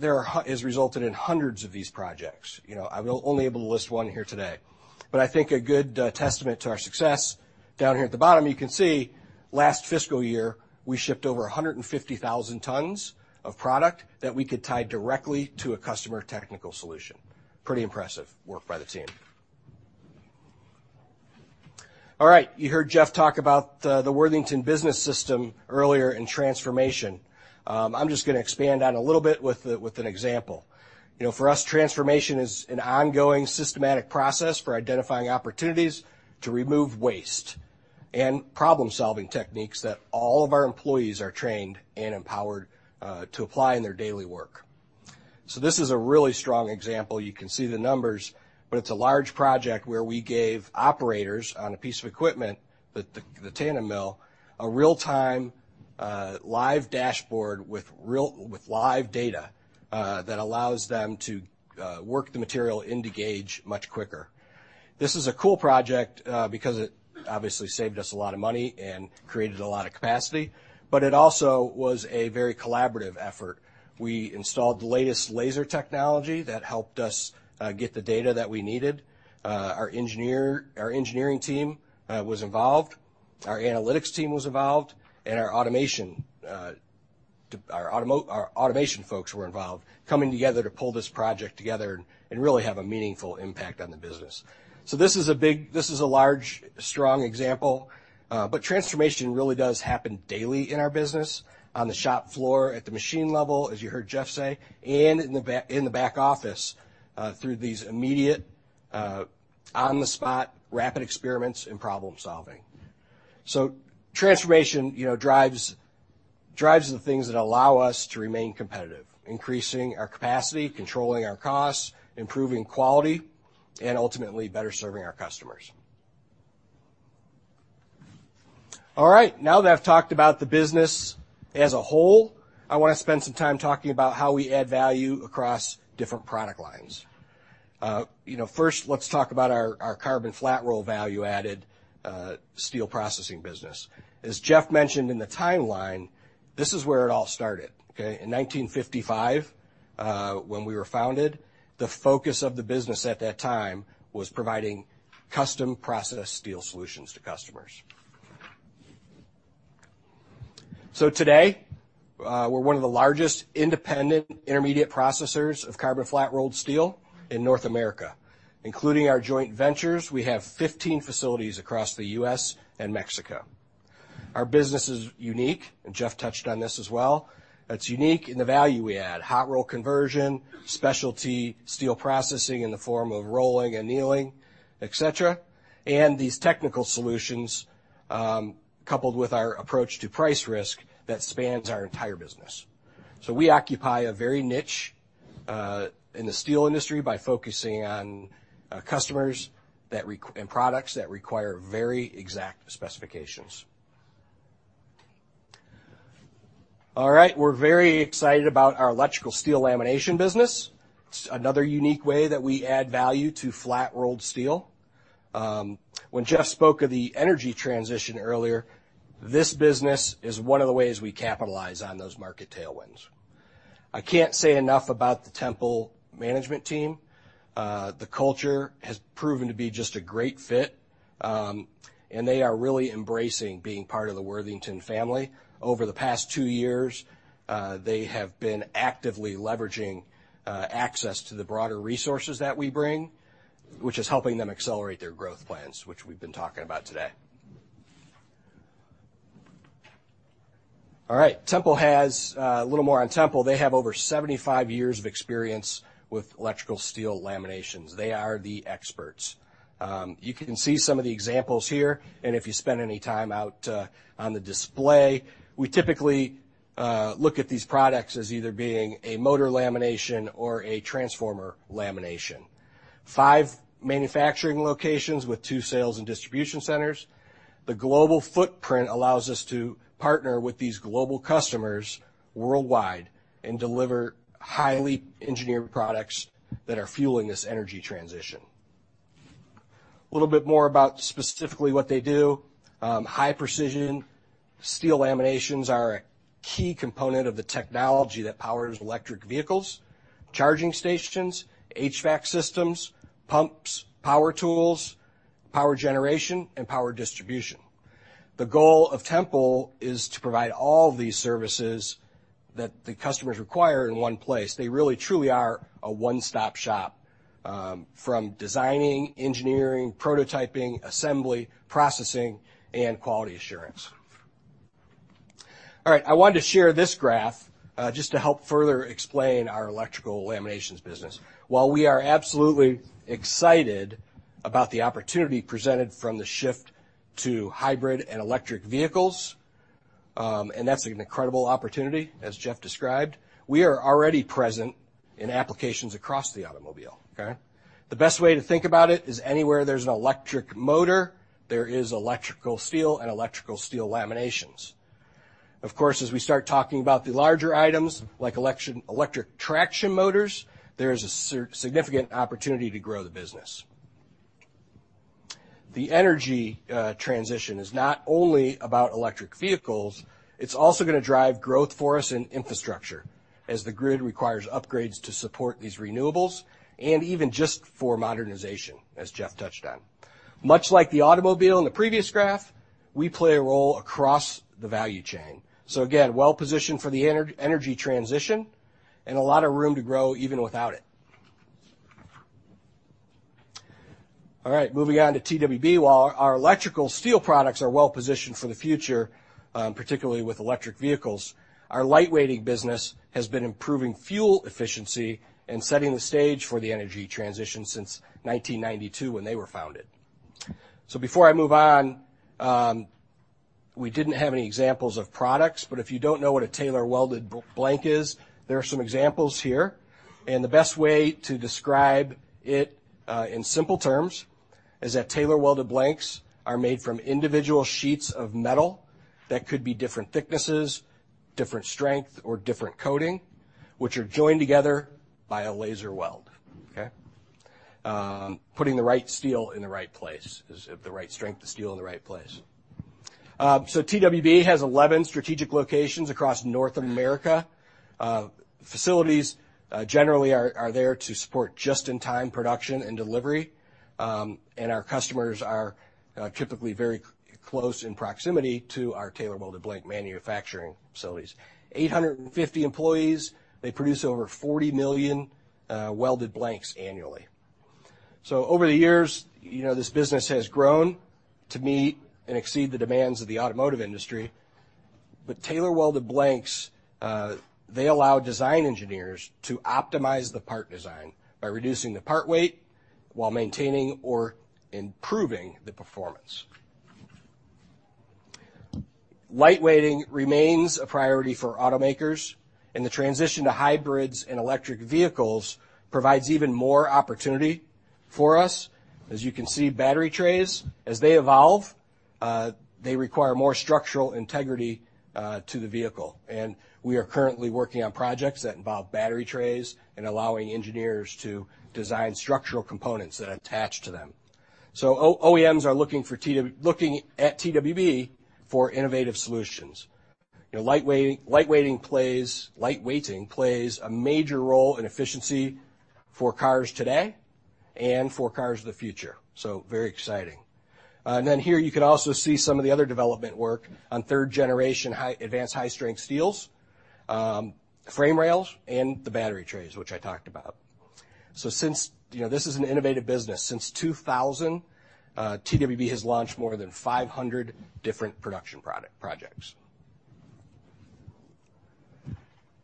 has resulted in hundreds of these projects. You know, I'm only able to list one here today. But I think a good testament to our success, down here at the bottom, you can see last fiscal year, we shipped over 150,000 tons of product that we could tie directly to a customer technical solution. Pretty impressive work by the team. All right, you heard Jeff talk about the Worthington Business System earlier in transformation. I'm just gonna expand on a little bit with an example. You know, for us, transformation is an ongoing, systematic process for identifying opportunities to remove waste and problem-solving techniques that all of our employees are trained and empowered to apply in their daily work. So this is a really strong example. You can see the numbers, but it's a large project where we gave operators on a piece of equipment, the Tandem Mill, a real-time live dashboard with live data that allows them to work the material into gauge much quicker. This is a cool project because it obviously saved us a lot of money and created a lot of capacity, but it also was a very collaborative effort. We installed the latest laser technology that helped us get the data that we needed. Our engineering team was involved, our analytics team was involved, and our automation folks were involved, coming together to pull this project together and really have a meaningful impact on the business. So this is a large, strong example, but transformation really does happen daily in our business, on the shop floor, at the machine level, as you heard Jeff say, and in the back, in the back office, through these immediate, on-the-spot, rapid experiments and problem-solving. So transformation, you know, drives the things that allow us to remain competitive, increasing our capacity, controlling our costs, improving quality, and ultimately, better serving our customers. All right, now that I've talked about the business as a whole, I wanna spend some time talking about how we add value across different product lines. You know, first, let's talk about our carbon flat roll value-added steel processing business. As Jeff mentioned in the timeline, this is where it all started, okay? In 1955, when we were founded, the focus of the business at that time was providing custom processed steel solutions to customers. Today, we're one of the largest independent intermediate processors of carbon flat-rolled steel in North America. Including our joint ventures, we have 15 facilities across the U.S. and Mexico. Our business is unique, and Jeff touched on this as well. It's unique in the value we add: hot roll conversion, specialty steel processing in the form of rolling, annealing, et cetera, and these technical solutions coupled with our approach to price risk that spans our entire business. We occupy a very niche in the steel industry by focusing on customers that require and products that require very exact specifications. All right, we're very excited about our electrical steel lamination business. It's another unique way that we add value to flat-rolled steel. When Jeff spoke of the energy transition earlier, this business is one of the ways we capitalize on those market tailwinds. I can't say enough about the Tempel management team. The culture has proven to be just a great fit, and they are really embracing being part of the Worthington family. Over the past 2 years, they have been actively leveraging access to the broader resources that we bring, which is helping them accelerate their growth plans, which we've been talking about today. All right. Tempel has. A little more on Tempel. They have over 75 years of experience with electrical steel laminations. They are the experts. You can see some of the examples here, and if you spend any time out on the display, we typically look at these products as either being a motor lamination or a transformer lamination. 5 manufacturing locations with 2 sales and distribution centers. The global footprint allows us to partner with these global customers worldwide and deliver highly engineered products that are fueling this energy transition. A little bit more about specifically what they do. High-precision steel laminations are a key component of the technology that powers electric vehicles, charging stations, HVAC systems, pumps, power tools, power generation, and power distribution. The goal of Tempel is to provide all these services that the customers require in one place. They really, truly are a one-stop shop from designing, engineering, prototyping, assembly, processing, and quality assurance. All right. I wanted to share this graph just to help further explain our electrical laminations business. While we are absolutely excited about the opportunity presented from the shift to hybrid and electric vehicles, and that's an incredible opportunity, as Jeff described, we are already present in applications across the automobile, okay? The best way to think about it is anywhere there's an electric motor, there is electrical steel and electrical steel laminations. Of course, as we start talking about the larger items, like electric traction motors, there is a significant opportunity to grow the business. The energy transition is not only about electric vehicles, it's also gonna drive growth for us in infrastructure, as the grid requires upgrades to support these renewables and even just for modernization, as Jeff touched on. Much like the automobile in the previous graph, we play a role across the value chain. Again, well-positioned for the energy transition and a lot of room to grow even without it. All right, moving on to TWB. While our electrical steel products are well positioned for the future, particularly with electric vehicles, our light-weighting business has been improving fuel efficiency and setting the stage for the energy transition since 1992 when they were founded. Before I move on, we didn't have any examples of products, but if you don't know what a tailor-welded blank is, there are some examples here, and the best way to describe it, in simple terms, is that tailor-welded blanks are made from individual sheets of metal that could be different thicknesses, different strength, or different coating, which are joined together by a laser weld, okay? Putting the right steel in the right place is—the right strength of steel in the right place. So TWB has 11 strategic locations across North America. Facilities generally are there to support just-in-time production and delivery, and our customers are typically very close in proximity to our tailor-welded blank manufacturing facilities. 850 employees, they produce over 40 million welded blanks annually. So over the years, you know, this business has grown to meet and exceed the demands of the automotive industry. But tailor-welded blanks, they allow design engineers to optimize the part design by reducing the part weight while maintaining or improving the performance. Light-weighting remains a priority for automakers, and the transition to hybrids and electric vehicles provides even more opportunity for us. As you can see, battery trays, as they evolve, they require more structural integrity to the vehicle. We are currently working on projects that involve battery trays and allowing engineers to design structural components that attach to them. So OEMs are looking for—looking at TWB for innovative solutions. You know, light-weighting plays—light-weighting plays a major role in efficiency for cars today... and for cars of the future, so very exciting. And then here you can also see some of the other development work on third-generation advanced high-strength steels, frame rails, and the battery trays, which I talked about. So since, you know, this is an innovative business, since 2000, TWB has launched more than 500 different production projects.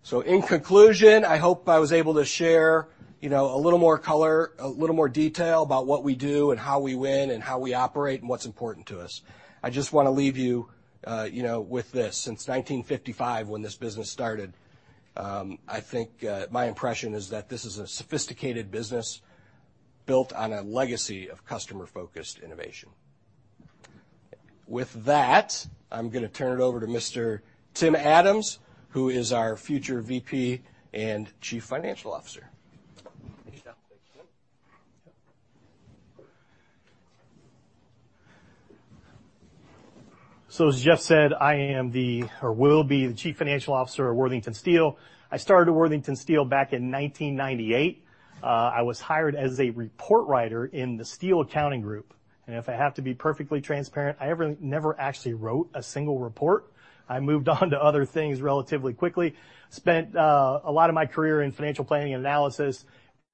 So in conclusion, I hope I was able to share, you know, a little more color, a little more detail about what we do and how we win and how we operate and what's important to us. I just wanna leave you, you know, with this. Since 1955, when this business started, I think, my impression is that this is a sophisticated business built on a legacy of customer-focused innovation. With that, I'm gonna turn it over to Mr. Tim Adams, who is our future VP and Chief Financial Officer. Thank you, Jeff. So as Jeff said, I am the, or will be, the Chief Financial Officer of Worthington Steel. I started at Worthington Steel back in 1998. I was hired as a report writer in the steel accounting group, and if I have to be perfectly transparent, I never actually wrote a single report. I moved on to other things relatively quickly. Spent a lot of my career in financial planning and analysis,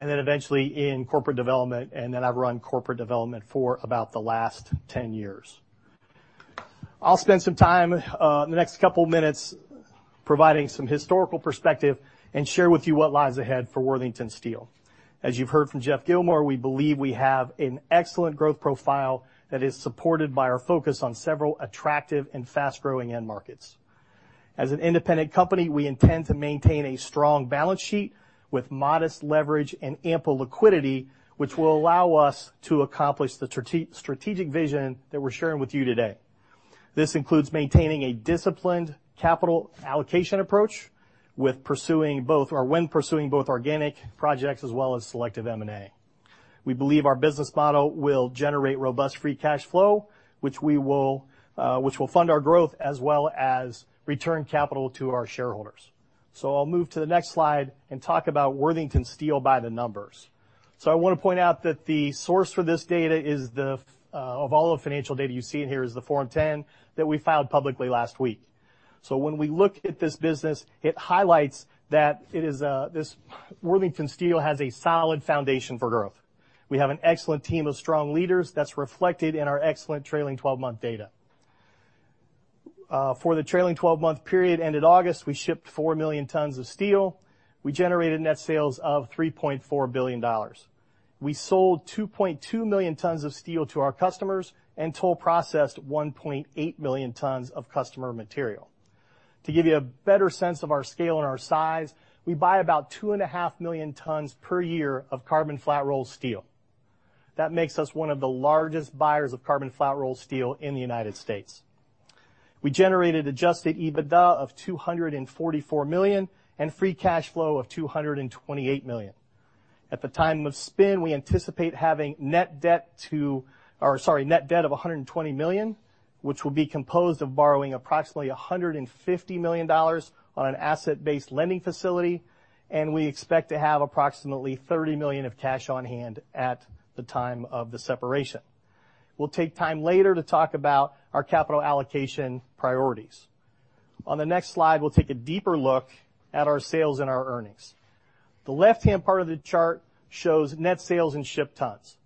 and then eventually in corporate development, and then I've run corporate development for about the last 10 years. I'll spend some time in the next couple of minutes providing some historical perspective and share with you what lies ahead for Worthington Steel. As you've heard from Geoff Gilmore, we believe we have an excellent growth profile that is supported by our focus on several attractive and fast-growing end markets. As an independent company, we intend to maintain a strong balance sheet with modest leverage and ample liquidity, which will allow us to accomplish the strategic vision that we're sharing with you today. This includes maintaining a disciplined capital allocation approach, with pursuing both or when pursuing both organic projects as well as selective M&A. We believe our business model will generate robust free cash flow, which we will, which will fund our growth as well as return capital to our shareholders. So I'll move to the next slide and talk about Worthington Steel by the numbers. So I wanna point out that the source for this data is the of all the financial data you see in here is the Form 10 that we filed publicly last week. When we look at this business, it highlights that it is, this, Worthington Steel has a solid foundation for growth. We have an excellent team of strong leaders that's reflected in our excellent trailing twelve-month data. For the trailing twelve-month period ended August, we shipped 4 million tons of steel. We generated net sales of $3.4 billion. We sold 2.2 million tons of steel to our customers and toll processed 1.8 million tons of customer material. To give you a better sense of our scale and our size, we buy about 2.5 million tons per year of carbon flat-rolled steel. That makes us one of the largest buyers of carbon flat-rolled steel in the United States. We generated adjusted EBITDA of $244 million and free cash flow of $228 million. At the time of spin, we anticipate having net debt of $120 million, which will be composed of borrowing approximately $150 million on an asset-based lending facility, and we expect to have approximately $30 million of cash on hand at the time of the separation. We'll take time later to talk about our capital allocation priorities. On the next slide, we'll take a deeper look at our sales and our earnings. The left-hand part of the chart shows net sales and shipped tons.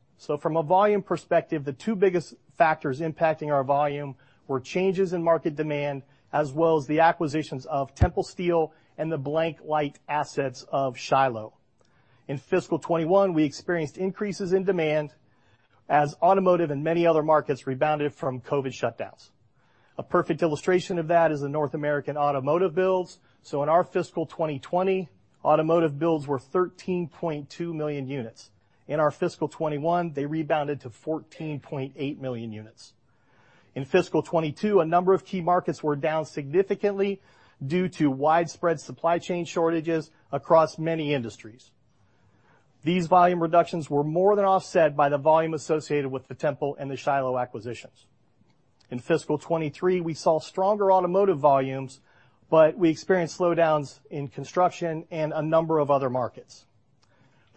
From a volume perspective, the two biggest factors impacting our volume were changes in market demand, as well as the acquisitions of Tempel Steel and the blankLight assets of Shiloh. In fiscal 2021, we experienced increases in demand as automotive and many other markets rebounded from COVID shutdowns. A perfect illustration of that is the North American automotive builds. So in our fiscal 2020, automotive builds were 13.2 million units. In our fiscal 2021, they rebounded to 14.8 million units. In fiscal 2022, a number of key markets were down significantly due to widespread supply chain shortages across many industries. These volume reductions were more than offset by the volume associated with the Tempel and the Shiloh acquisitions. In fiscal 2023, we saw stronger automotive volumes, but we experienced slowdowns in construction and a number of other markets.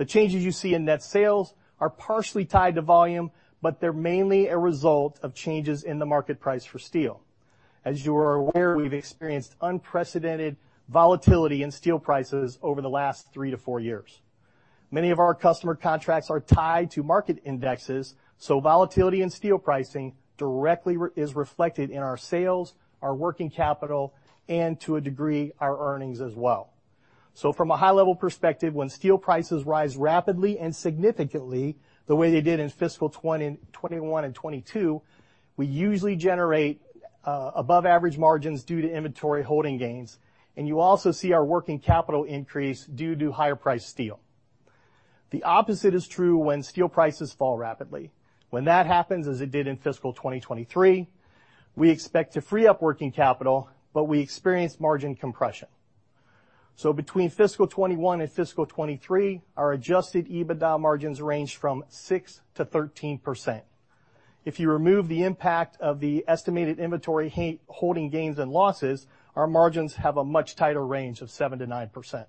The changes you see in net sales are partially tied to volume, but they're mainly a result of changes in the market price for steel. As you are aware, we've experienced unprecedented volatility in steel prices over the last 3-4 years. Many of our customer contracts are tied to market indexes, so volatility in steel pricing directly is reflected in our sales, our working capital, and to a degree, our earnings as well. So from a high-level perspective, when steel prices rise rapidly and significantly, the way they did in fiscal 2021 and 2022, we usually generate above average margins due to inventory holding gains, and you also see our working capital increase due to higher priced steel. The opposite is true when steel prices fall rapidly. When that happens, as it did in fiscal 2023, we expect to free up working capital, but we experienced margin compression. So between fiscal 2021 and 2023, our Adjusted EBITDA margins ranged from 6%-13%. If you remove the impact of the estimated inventory holding gains and losses, our margins have a much tighter range of 7%-9%.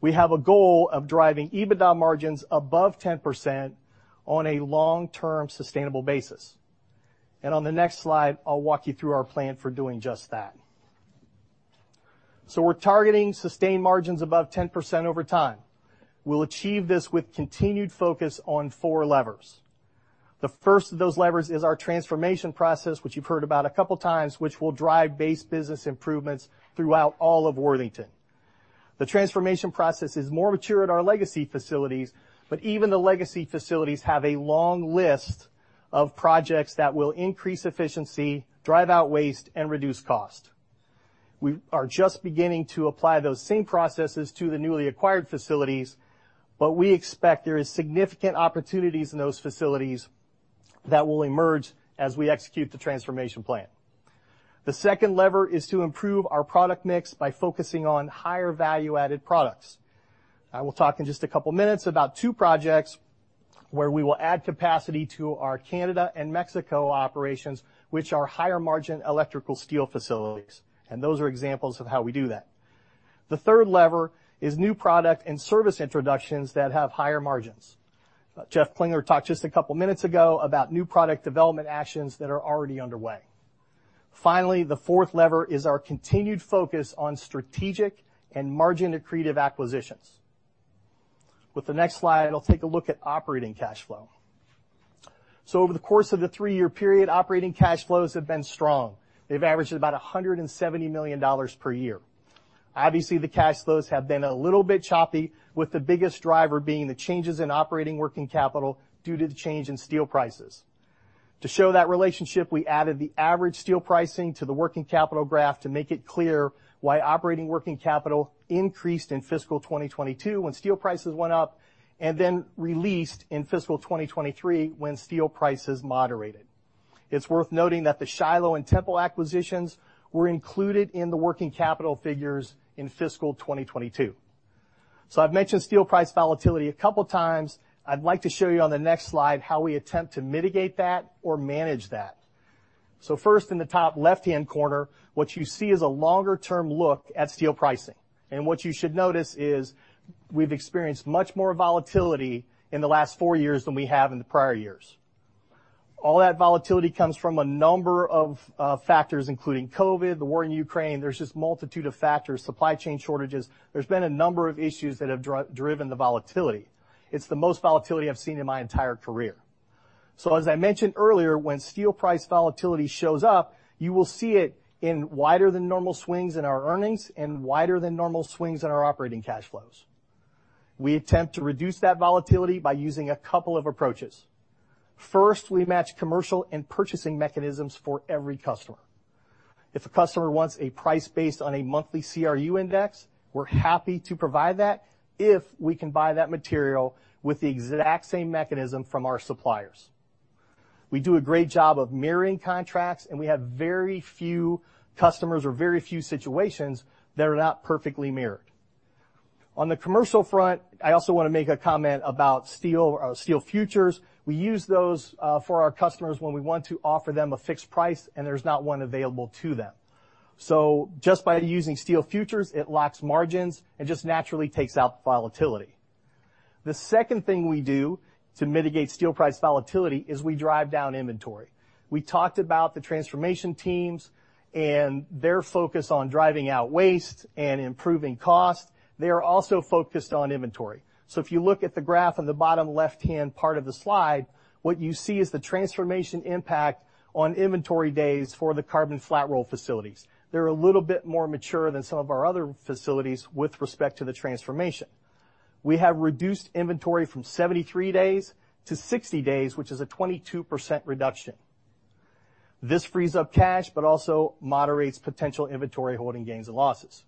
We have a goal of driving EBITDA margins above 10% on a long-term, sustainable basis. On the next slide, I'll walk you through our plan for doing just that. We're targeting sustained margins above 10% over time. We'll achieve this with continued focus on 4 levers. The first of those levers is our transformation process, which you've heard about a couple times, which will drive base business improvements throughout all of Worthington. The transformation process is more mature at our legacy facilities, but even the legacy facilities have a long list of projects that will increase efficiency, drive out waste, and reduce cost. We are just beginning to apply those same processes to the newly acquired facilities, but we expect there is significant opportunities in those facilities that will emerge as we execute the transformation plan. The second lever is to improve our product mix by focusing on higher value-added products. I will talk in just a couple minutes about two projects where we will add capacity to our Canada and Mexico operations, which are higher-margin electrical steel facilities, and those are examples of how we do that. The third lever is new product and service introductions that have higher margins. Jeff Klingler talked just a couple minutes ago about new product development actions that are already underway. Finally, the fourth lever is our continued focus on strategic and margin-accretive acquisitions. With the next slide, I'll take a look at operating cash flow. So over the course of the three-year period, operating cash flows have been strong. They've averaged about $170 million per year. Obviously, the cash flows have been a little bit choppy, with the biggest driver being the changes in operating working capital due to the change in steel prices. To show that relationship, we added the average steel pricing to the working capital graph to make it clear why operating working capital increased in fiscal 2022 when steel prices went up and then released in fiscal 2023 when steel prices moderated. It's worth noting that the Shiloh and Tempel acquisitions were included in the working capital figures in fiscal 2022. So I've mentioned steel price volatility a couple times. I'd like to show you on the next slide how we attempt to mitigate that or manage that. First, in the top left-hand corner, what you see is a longer-term look at steel pricing. What you should notice is we've experienced much more volatility in the last four years than we have in the prior years. All that volatility comes from a number of factors, including COVID, the war in Ukraine. There's just a multitude of factors, supply chain shortages. There's been a number of issues that have driven the volatility. It's the most volatility I've seen in my entire career. As I mentioned earlier, when steel price volatility shows up, you will see it in wider than normal swings in our earnings and wider than normal swings in our operating cash flows. We attempt to reduce that volatility by using a couple of approaches. First, we match commercial and purchasing mechanisms for every customer. If a customer wants a price based on a monthly CRU index, we're happy to provide that if we can buy that material with the exact same mechanism from our suppliers. We do a great job of mirroring contracts, and we have very few customers or very few situations that are not perfectly mirrored. On the commercial front, I also want to make a comment about steel, or steel futures. We use those for our customers when we want to offer them a fixed price, and there's not one available to them. So just by using steel futures, it locks margins and just naturally takes out the volatility. The second thing we do to mitigate steel price volatility is we drive down inventory. We talked about the transformation teams and their focus on driving out waste and improving cost. They are also focused on inventory. If you look at the graph on the bottom left-hand part of the slide, what you see is the transformation impact on inventory days for the carbon flat roll facilities. They're a little bit more mature than some of our other facilities with respect to the transformation. We have reduced inventory from 73 days to 60 days, which is a 22% reduction. This frees up cash but also moderates potential inventory holding gains and losses.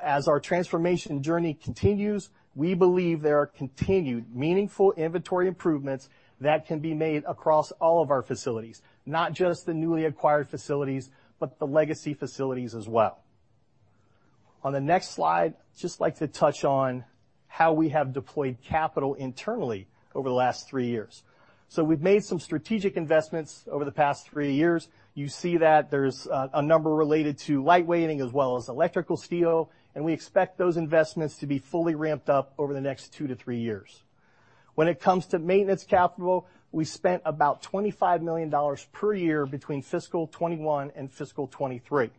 As our transformation journey continues, we believe there are continued meaningful inventory improvements that can be made across all of our facilities, not just the newly acquired facilities, but the legacy facilities as well. On the next slide, I'd just like to touch on how we have deployed capital internally over the last three years. We've made some strategic investments over the past three years. You see that there's a, a number related to light weighting as well as electrical steel, and we expect those investments to be fully ramped up over the next two to three years. When it comes to maintenance capital, we spent about $25 million per year between fiscal 2021 and fiscal 2023.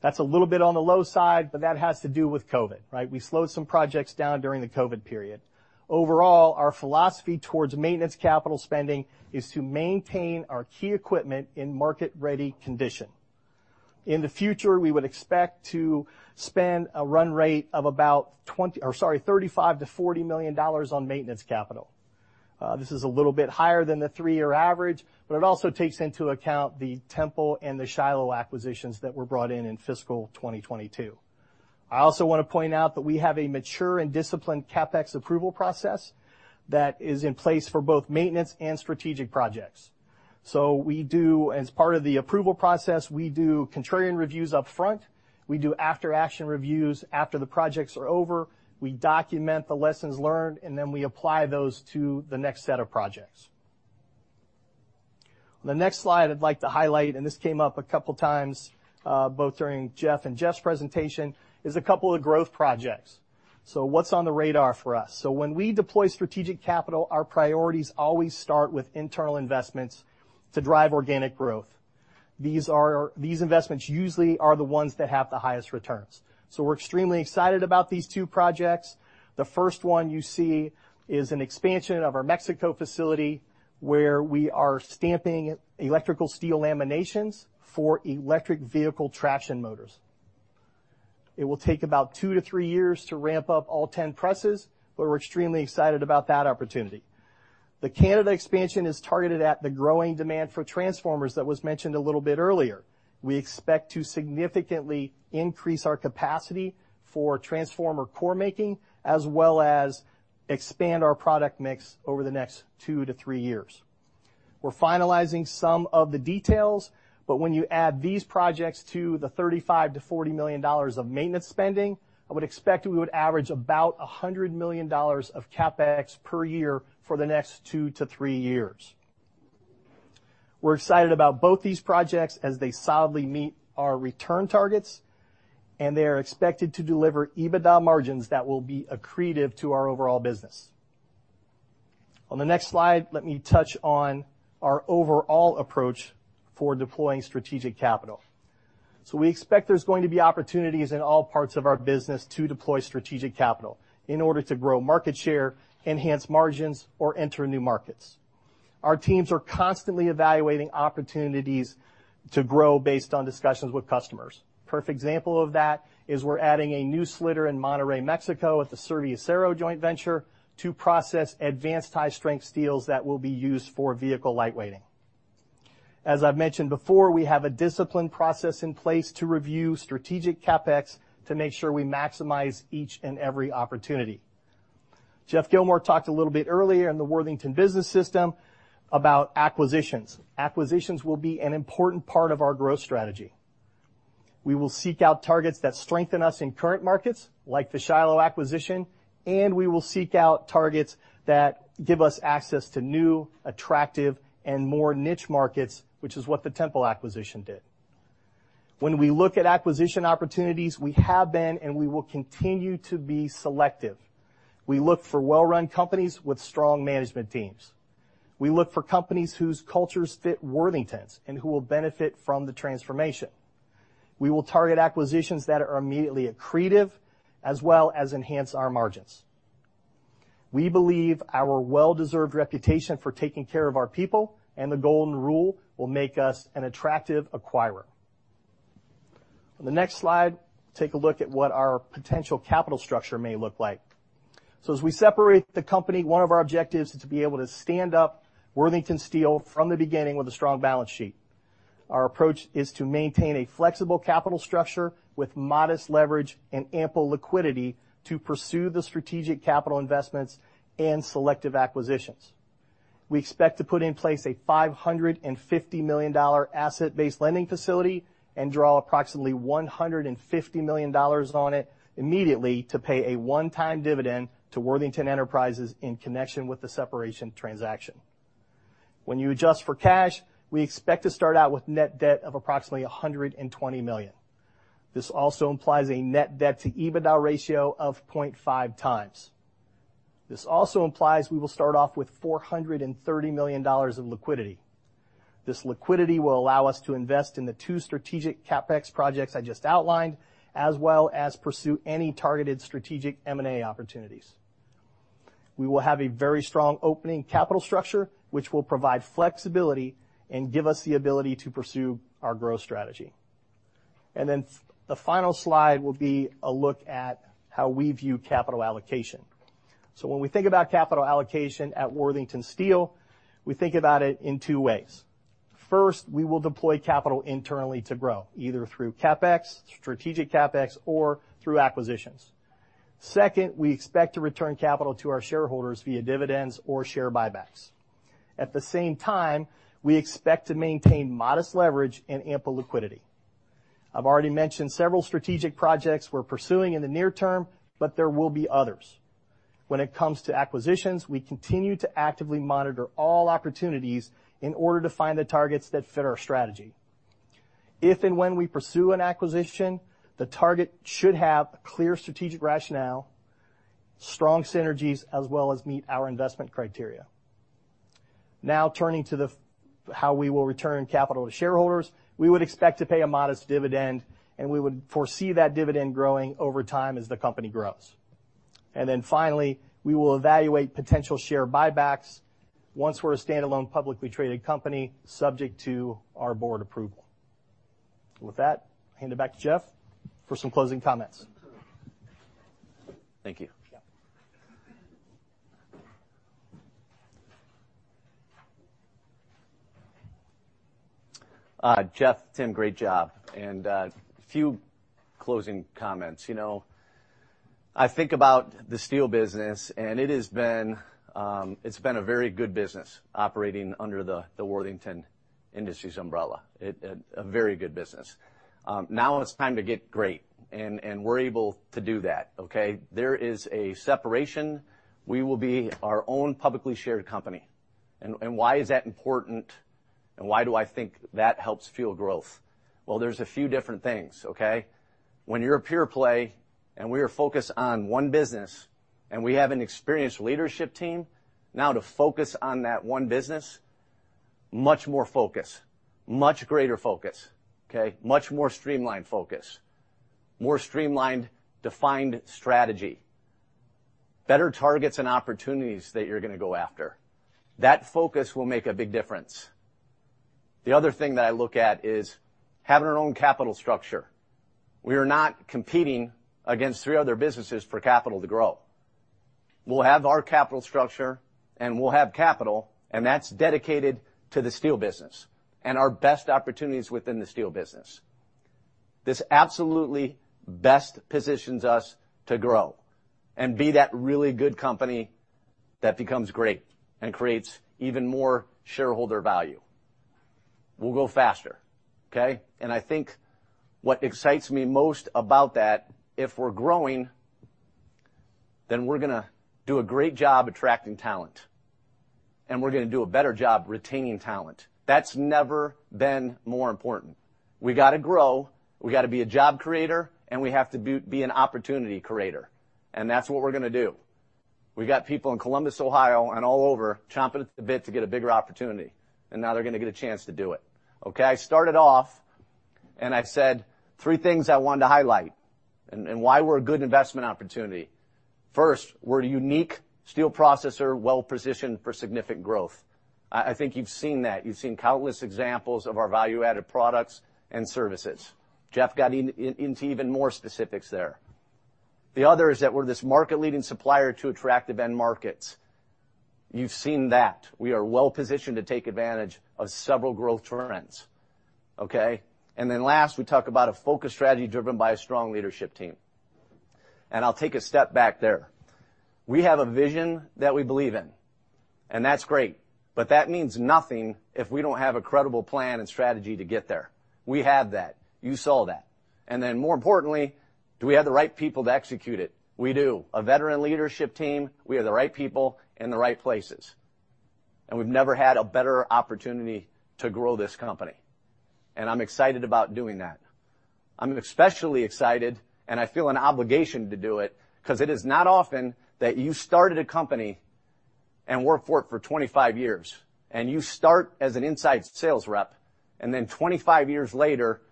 That's a little bit on the low side, but that has to do with COVID, right? We slowed some projects down during the COVID period. Overall, our philosophy towards maintenance capital spending is to maintain our key equipment in market-ready condition. In the future, we would expect to spend a run rate of about $20... or sorry, $35-$40 million on maintenance capital. This is a little bit higher than the three-year average, but it also takes into account the Tempel and the Shiloh acquisitions that were brought in in fiscal 2022. I also want to point out that we have a mature and disciplined CapEx approval process that is in place for both maintenance and strategic projects. So we do, as part of the approval process, we do contrarian reviews up front. We do after-action reviews after the projects are over. We document the lessons learned, and then we apply those to the next set of projects. On the next slide, I'd like to highlight, and this came up a couple times, both during Geoff and Jeff's presentation, is a couple of growth projects. So what's on the radar for us? So when we deploy strategic capital, our priorities always start with internal investments to drive organic growth. These are. These investments usually are the ones that have the highest returns. So we're extremely excited about these two projects. The first one you see is an expansion of our Mexico facility, where we are stamping electrical steel laminations for electric vehicle traction motors. It will take about two to three years to ramp up all 10 presses, but we're extremely excited about that opportunity. The Canada expansion is targeted at the growing demand for transformers that was mentioned a little bit earlier. We expect to significantly increase our capacity for transformer core making, as well as expand our product mix over the next two to three years. We're finalizing some of the details, but when you add these projects to the $35 million-$40 million of maintenance spending, I would expect we would average about $100 million of CapEx per year for the next two to three years. We're excited about both these projects, as they solidly meet our return targets, and they are expected to deliver EBITDA margins that will be accretive to our overall business. On the next slide, let me touch on our overall approach for deploying strategic capital. We expect there's going to be opportunities in all parts of our business to deploy strategic capital in order to grow market share, enhance margins, or enter new markets. Our teams are constantly evaluating opportunities to grow based on discussions with customers. Perfect example of that is we're adding a new slitter in Monterrey, Mexico, at the Serviacero joint venture, to process advanced high-strength steels that will be used for vehicle lightweighting. As I've mentioned before, we have a disciplined process in place to review strategic CapEx to make sure we maximize each and every opportunity. Geoff Gilmore talked a little bit earlier in the Worthington Business System about acquisitions. Acquisitions will be an important part of our growth strategy. We will seek out targets that strengthen us in current markets, like the Shiloh acquisition, and we will seek out targets that give us access to new, attractive, and more niche markets, which is what the Tempel acquisition did. When we look at acquisition opportunities, we have been and we will continue to be selective. We look for well-run companies with strong management teams. We look for companies whose cultures fit Worthington's and who will benefit from the transformation. We will target acquisitions that are immediately accretive, as well as enhance our margins. We believe our well-deserved reputation for taking care of our people and the golden rule will make us an attractive acquirer. On the next slide, take a look at what our potential capital structure may look like. As we separate the company, one of our objectives is to be able to stand up Worthington Steel from the beginning with a strong balance sheet. Our approach is to maintain a flexible capital structure with modest leverage and ample liquidity to pursue the strategic capital investments and selective acquisitions. We expect to put in place a $550 million asset-based lending facility and draw approximately $150 million on it immediately to pay a one-time dividend to Worthington Enterprises in connection with the separation transaction. When you adjust for cash, we expect to start out with net debt of approximately $120 million. This also implies a net debt to EBITDA ratio of 0.5x. This also implies we will start off with $430 million in liquidity. This liquidity will allow us to invest in the two strategic CapEx projects I just outlined, as well as pursue any targeted strategic M&A opportunities. We will have a very strong opening capital structure, which will provide flexibility and give us the ability to pursue our growth strategy. And then the final slide will be a look at how we view capital allocation. So when we think about capital allocation at Worthington Steel, we think about it in two ways. First, we will deploy capital internally to grow, either through CapEx, strategic CapEx, or through acquisitions. Second, we expect to return capital to our shareholders via dividends or share buybacks. At the same time, we expect to maintain modest leverage and ample liquidity. I've already mentioned several strategic projects we're pursuing in the near term, but there will be others. When it comes to acquisitions, we continue to actively monitor all opportunities in order to find the targets that fit our strategy. If and when we pursue an acquisition, the target should have a clear strategic rationale, strong synergies, as well as meet our investment criteria. Now, turning to how we will return capital to shareholders, we would expect to pay a modest dividend, and we would foresee that dividend growing over time as the company grows. And then finally, we will evaluate potential share buybacks once we're a standalone, publicly traded company, subject to our board approval. With that, I'll hand it back to Jeff for some closing comments. Thank you. Yeah. Jeff, Tim, great job! And, a few closing comments. You know, I think about the steel business, and it has been, it's been a very good business operating under the Worthington Industries umbrella. It, a very good business. Now it's time to get great, and we're able to do that, okay? There is a separation. We will be our own publicly shared company. And why is that important, and why do I think that helps fuel growth? Well, there's a few different things, okay? When you're a pure play, and we are focused on one business, and we have an experienced leadership team, now to focus on that one business, much more focus, much greater focus, okay? Much more streamlined focus, more streamlined, defined strategy, better targets and opportunities that you're gonna go after. That focus will make a big difference. The other thing that I look at is having our own capital structure. We are not competing against three other businesses for capital to grow. We'll have our capital structure, and we'll have capital, and that's dedicated to the steel business and our best opportunities within the steel business. This absolutely best positions us to grow and be that really good company that becomes great and creates even more shareholder value. We'll go faster, okay? And I think what excites me most about that, if we're growing, then we're gonna do a great job attracting talent, and we're gonna do a better job retaining talent. That's never been more important. We gotta grow, we gotta be a job creator, and we have to be, be an opportunity creator, and that's what we're gonna do. We got people in Columbus, Ohio, and all over, chomping at the bit to get a bigger opportunity, and now they're gonna get a chance to do it. Okay, I started off, and I said three things I wanted to highlight and why we're a good investment opportunity. First, we're a unique steel processor, well-positioned for significant growth. I think you've seen that. You've seen countless examples of our value-added products and services. Jeff got into even more specifics there. The other is that we're this market-leading supplier to attractive end markets. You've seen that. We are well-positioned to take advantage of several growth trends, okay? And then last, we talk about a focused strategy driven by a strong leadership team. And I'll take a step back there. We have a vision that we believe in, and that's great, but that means nothing if we don't have a credible plan and strategy to get there. We have that. You saw that. And then, more importantly, do we have the right people to execute it? We do. A veteran leadership team, we have the right people in the right places, and we've never had a better opportunity to grow this company, and I'm excited about doing that. I'm especially excited, and I feel an obligation to do it, 'cause it is not often that you started a company and worked for it for 25 years, and you start as an inside sales rep, and then 25 years later,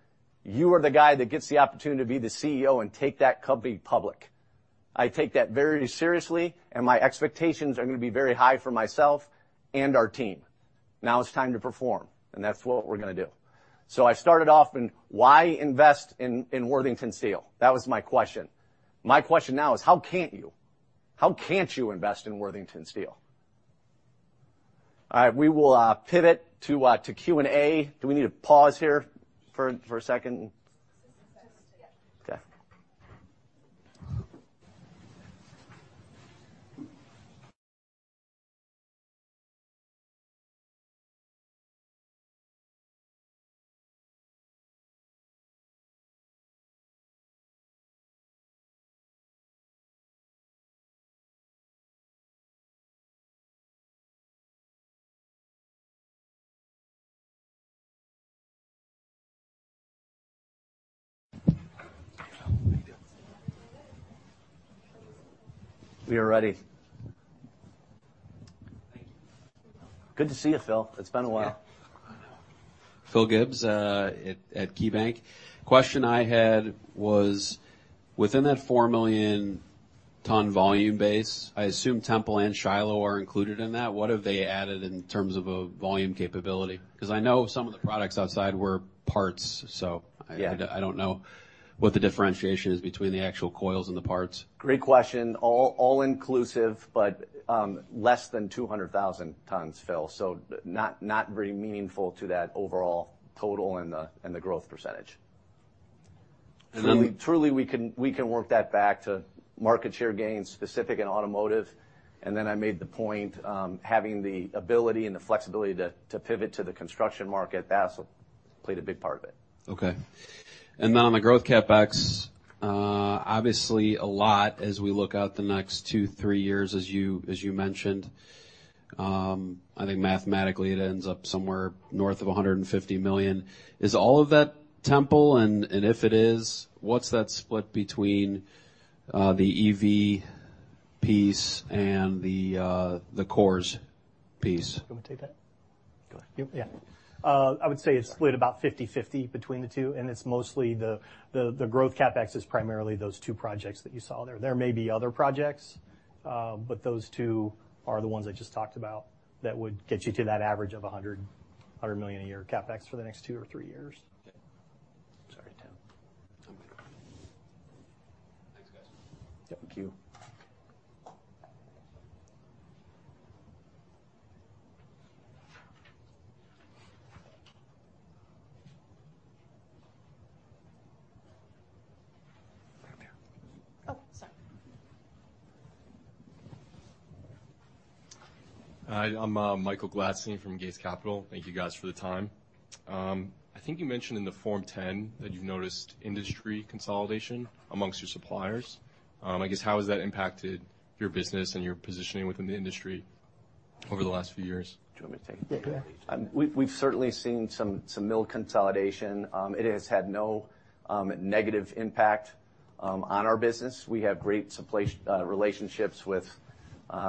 you are the guy that gets the opportunity to be the CEO and take that company public. I take that very seriously, and my expectations are gonna be very high for myself and our team. Now it's time to perform, and that's what we're gonna do. So I started off in, "Why invest in, in Worthington Steel?" That was my question. My question now is: How can't you? How can't you invest in Worthington Steel? All right, we will pivot to Q&A. Do we need to pause here for a second? Just, yeah. Okay. We are ready. Thank you. Good to see you, Phil. It's been a while. Phil Gibbs at KeyBanc. Question I had was: Within that 4 million ton volume base, I assume Tempel and Shiloh are included in that. What have they added in terms of a volume capability? 'Cause I know some of the products outside were parts, so- Yeah. I don't know what the differentiation is between the actual coils and the parts. Great question. All inclusive, but less than 200,000 tons, Phil, so not very meaningful to that overall total and the growth percentage. And then- Truly, we can, we can work that back to market share gains, specific and automotive, and then I made the point, having the ability and the flexibility to, to pivot to the construction market, that's what played a big part of it. Okay. And then on the growth CapEx, obviously a lot as we look out the next 2-3 years, as you mentioned, I think mathematically, it ends up somewhere north of $150 million. Is all of that Tempel? And, and if it is, what's that split between, the EV piece and the, the cores piece? Do you want me to take that? Go ahead. Yep. Yeah. I would say it's split about 50/50 between the two, and it's mostly the growth CapEx is primarily those two projects that you saw there. There may be other projects, but those two are the ones I just talked about that would get you to that average of $100 million a year CapEx for the next two or three years.... Thank you. Oh, sorry! Hi, I'm Michael Gladstein from Gates Capital. Thank you guys for the time. I think you mentioned in the Form 10 that you've noticed industry consolidation among your suppliers. I guess, how has that impacted your business and your positioning within the industry over the last few years? Do you want me to take it? Yeah, go ahead. We've certainly seen some mill consolidation. It has had no negative impact on our business. We have great relationships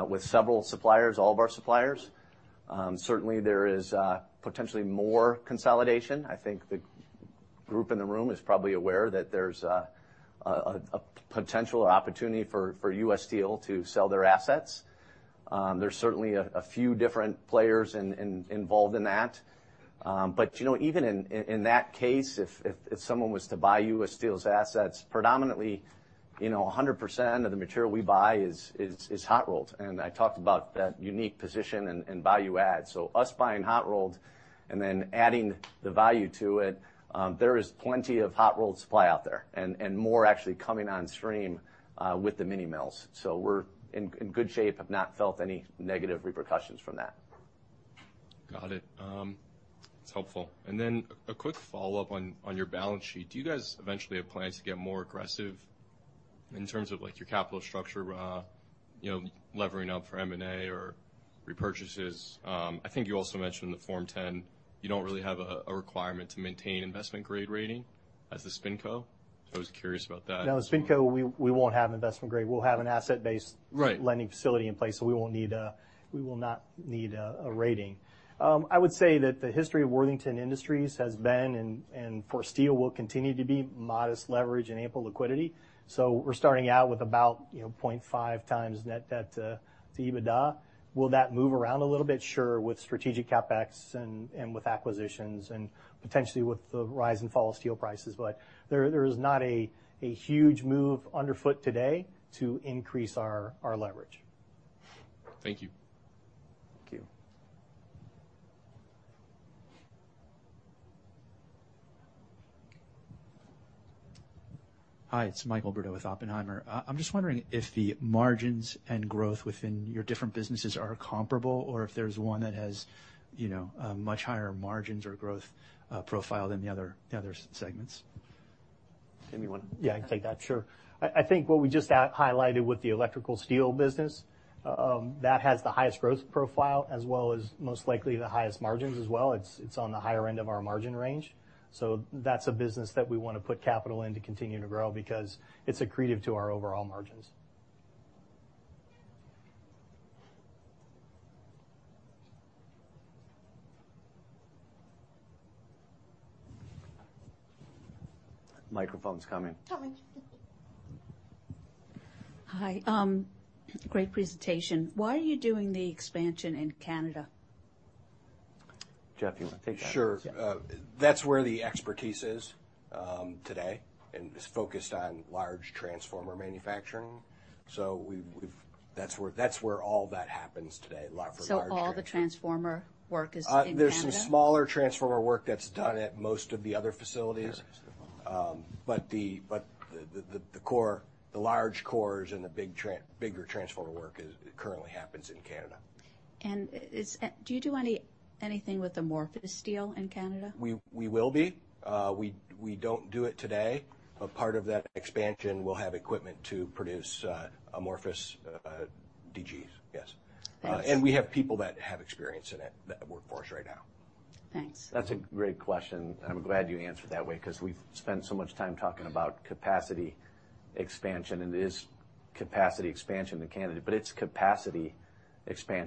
with several suppliers, all of our suppliers. Certainly, there is potentially more consolidation. I think the group in the room is probably aware that there's a potential opportunity for US Steel to sell their assets. There are certainly a few different players involved in that. You know, even in that case, if someone was to buy US Steel's assets, predominantly, 100% of the material we buy is hot rolled, and I talked about that unique position and value add. So us buying hot-rolled and then adding the value to it, there is plenty of hot-rolled supply out there and more actually coming on stream with the mini-mills. So we're in good shape, have not felt any negative repercussions from that. Got it. That's helpful. And then a quick follow-up on your balance sheet. Do you guys eventually have plans to get more aggressive in terms of, like, your capital structure, you know, levering up for M&A or repurchases? I think you also mentioned the Form 10, you don't really have a requirement to maintain investment-grade rating as the SpinCo. So I was curious about that. Now, the SpinCo, we won't have investment grade. We'll have an asset-based- Right ...lending facility in place, so we won't need a rating. We will not need a rating. I would say that the history of Worthington Industries has been, and for Steel, will continue to be modest leverage and ample liquidity. So we're starting out with about, you know, 0.5 times net debt to EBITDA. Will that move around a little bit? Sure, with strategic CapEx and with acquisitions and potentially with the rise and fall of steel prices, but there is not a huge move underfoot today to increase our leverage. Thank you. Thank you. Hi, it's Michael Brito with Oppenheimer. I'm just wondering if the margins and growth within your different businesses are comparable, or if there's one that has, you know, a much higher margins or growth profile than the other, the other segments? Anyone? Yeah, I can take that. Sure. I think what we just outlined with the electrical steel business, that has the highest growth profile, as well as most likely the highest margins as well. It's on the higher end of our margin range, so that's a business that we wanna put capital in to continue to grow because it's accretive to our overall margins. Microphone's coming. Coming. Hi, great presentation. Why are you doing the expansion in Canada? Jeff, you wanna take that? Sure. Yeah. That's where the expertise is today, and is focused on large transformer manufacturing. That's where all that happens today, large- So all the transformer work is in Canada? There's some smaller transformer work that's done at most of the other facilities. Yeah. But the large cores and the bigger transformer work currently happens in Canada. Do you do anything with amorphous steel in Canada? We will be. We don't do it today, but part of that expansion will have equipment to produce amorphous Ds, yes. Thanks. We have people that have experience in it, that work for us right now. Thanks. That's a great question, and I'm glad you answered that way because we've spent so much time talking about capacity expansion, and it is capacity expansion in Canada, but it's capacity expansion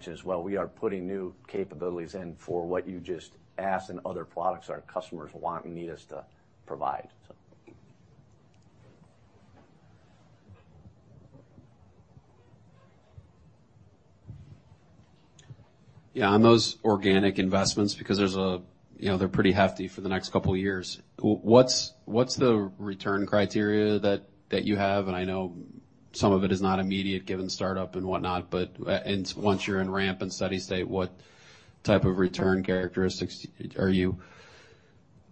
as well. We are putting new capabilities in for what you just asked and other products our customers want and need us to provide, so. Yeah, on those organic investments, because there's a, you know, they're pretty hefty for the next couple of years. What's the return criteria that you have? And I know some of it is not immediate, given startup and whatnot, but, and once you're in ramp and steady state, what type of return characteristics are you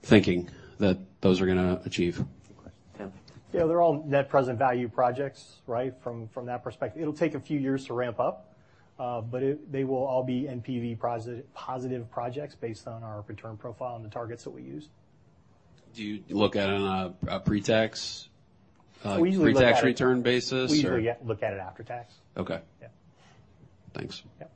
thinking that those are gonna achieve? Good question. Tim? Yeah, they're all net present value projects, right? From that perspective. It'll take a few years to ramp up, but they will all be NPV positive projects based on our return profile and the targets that we use. Do you look at it on a pre-tax? We usually look at it-... pre-tax return basis, or? We usually, yeah, look at it after tax. Okay. Yeah. Thanks. Yeah.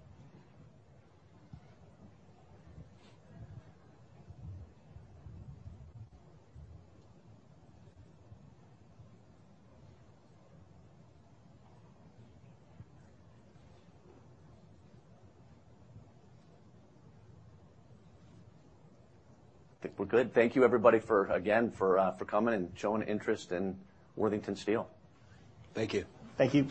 I think we're good. Thank you, everybody, again, for coming and showing interest in Worthington Steel. Thank you. Thank you.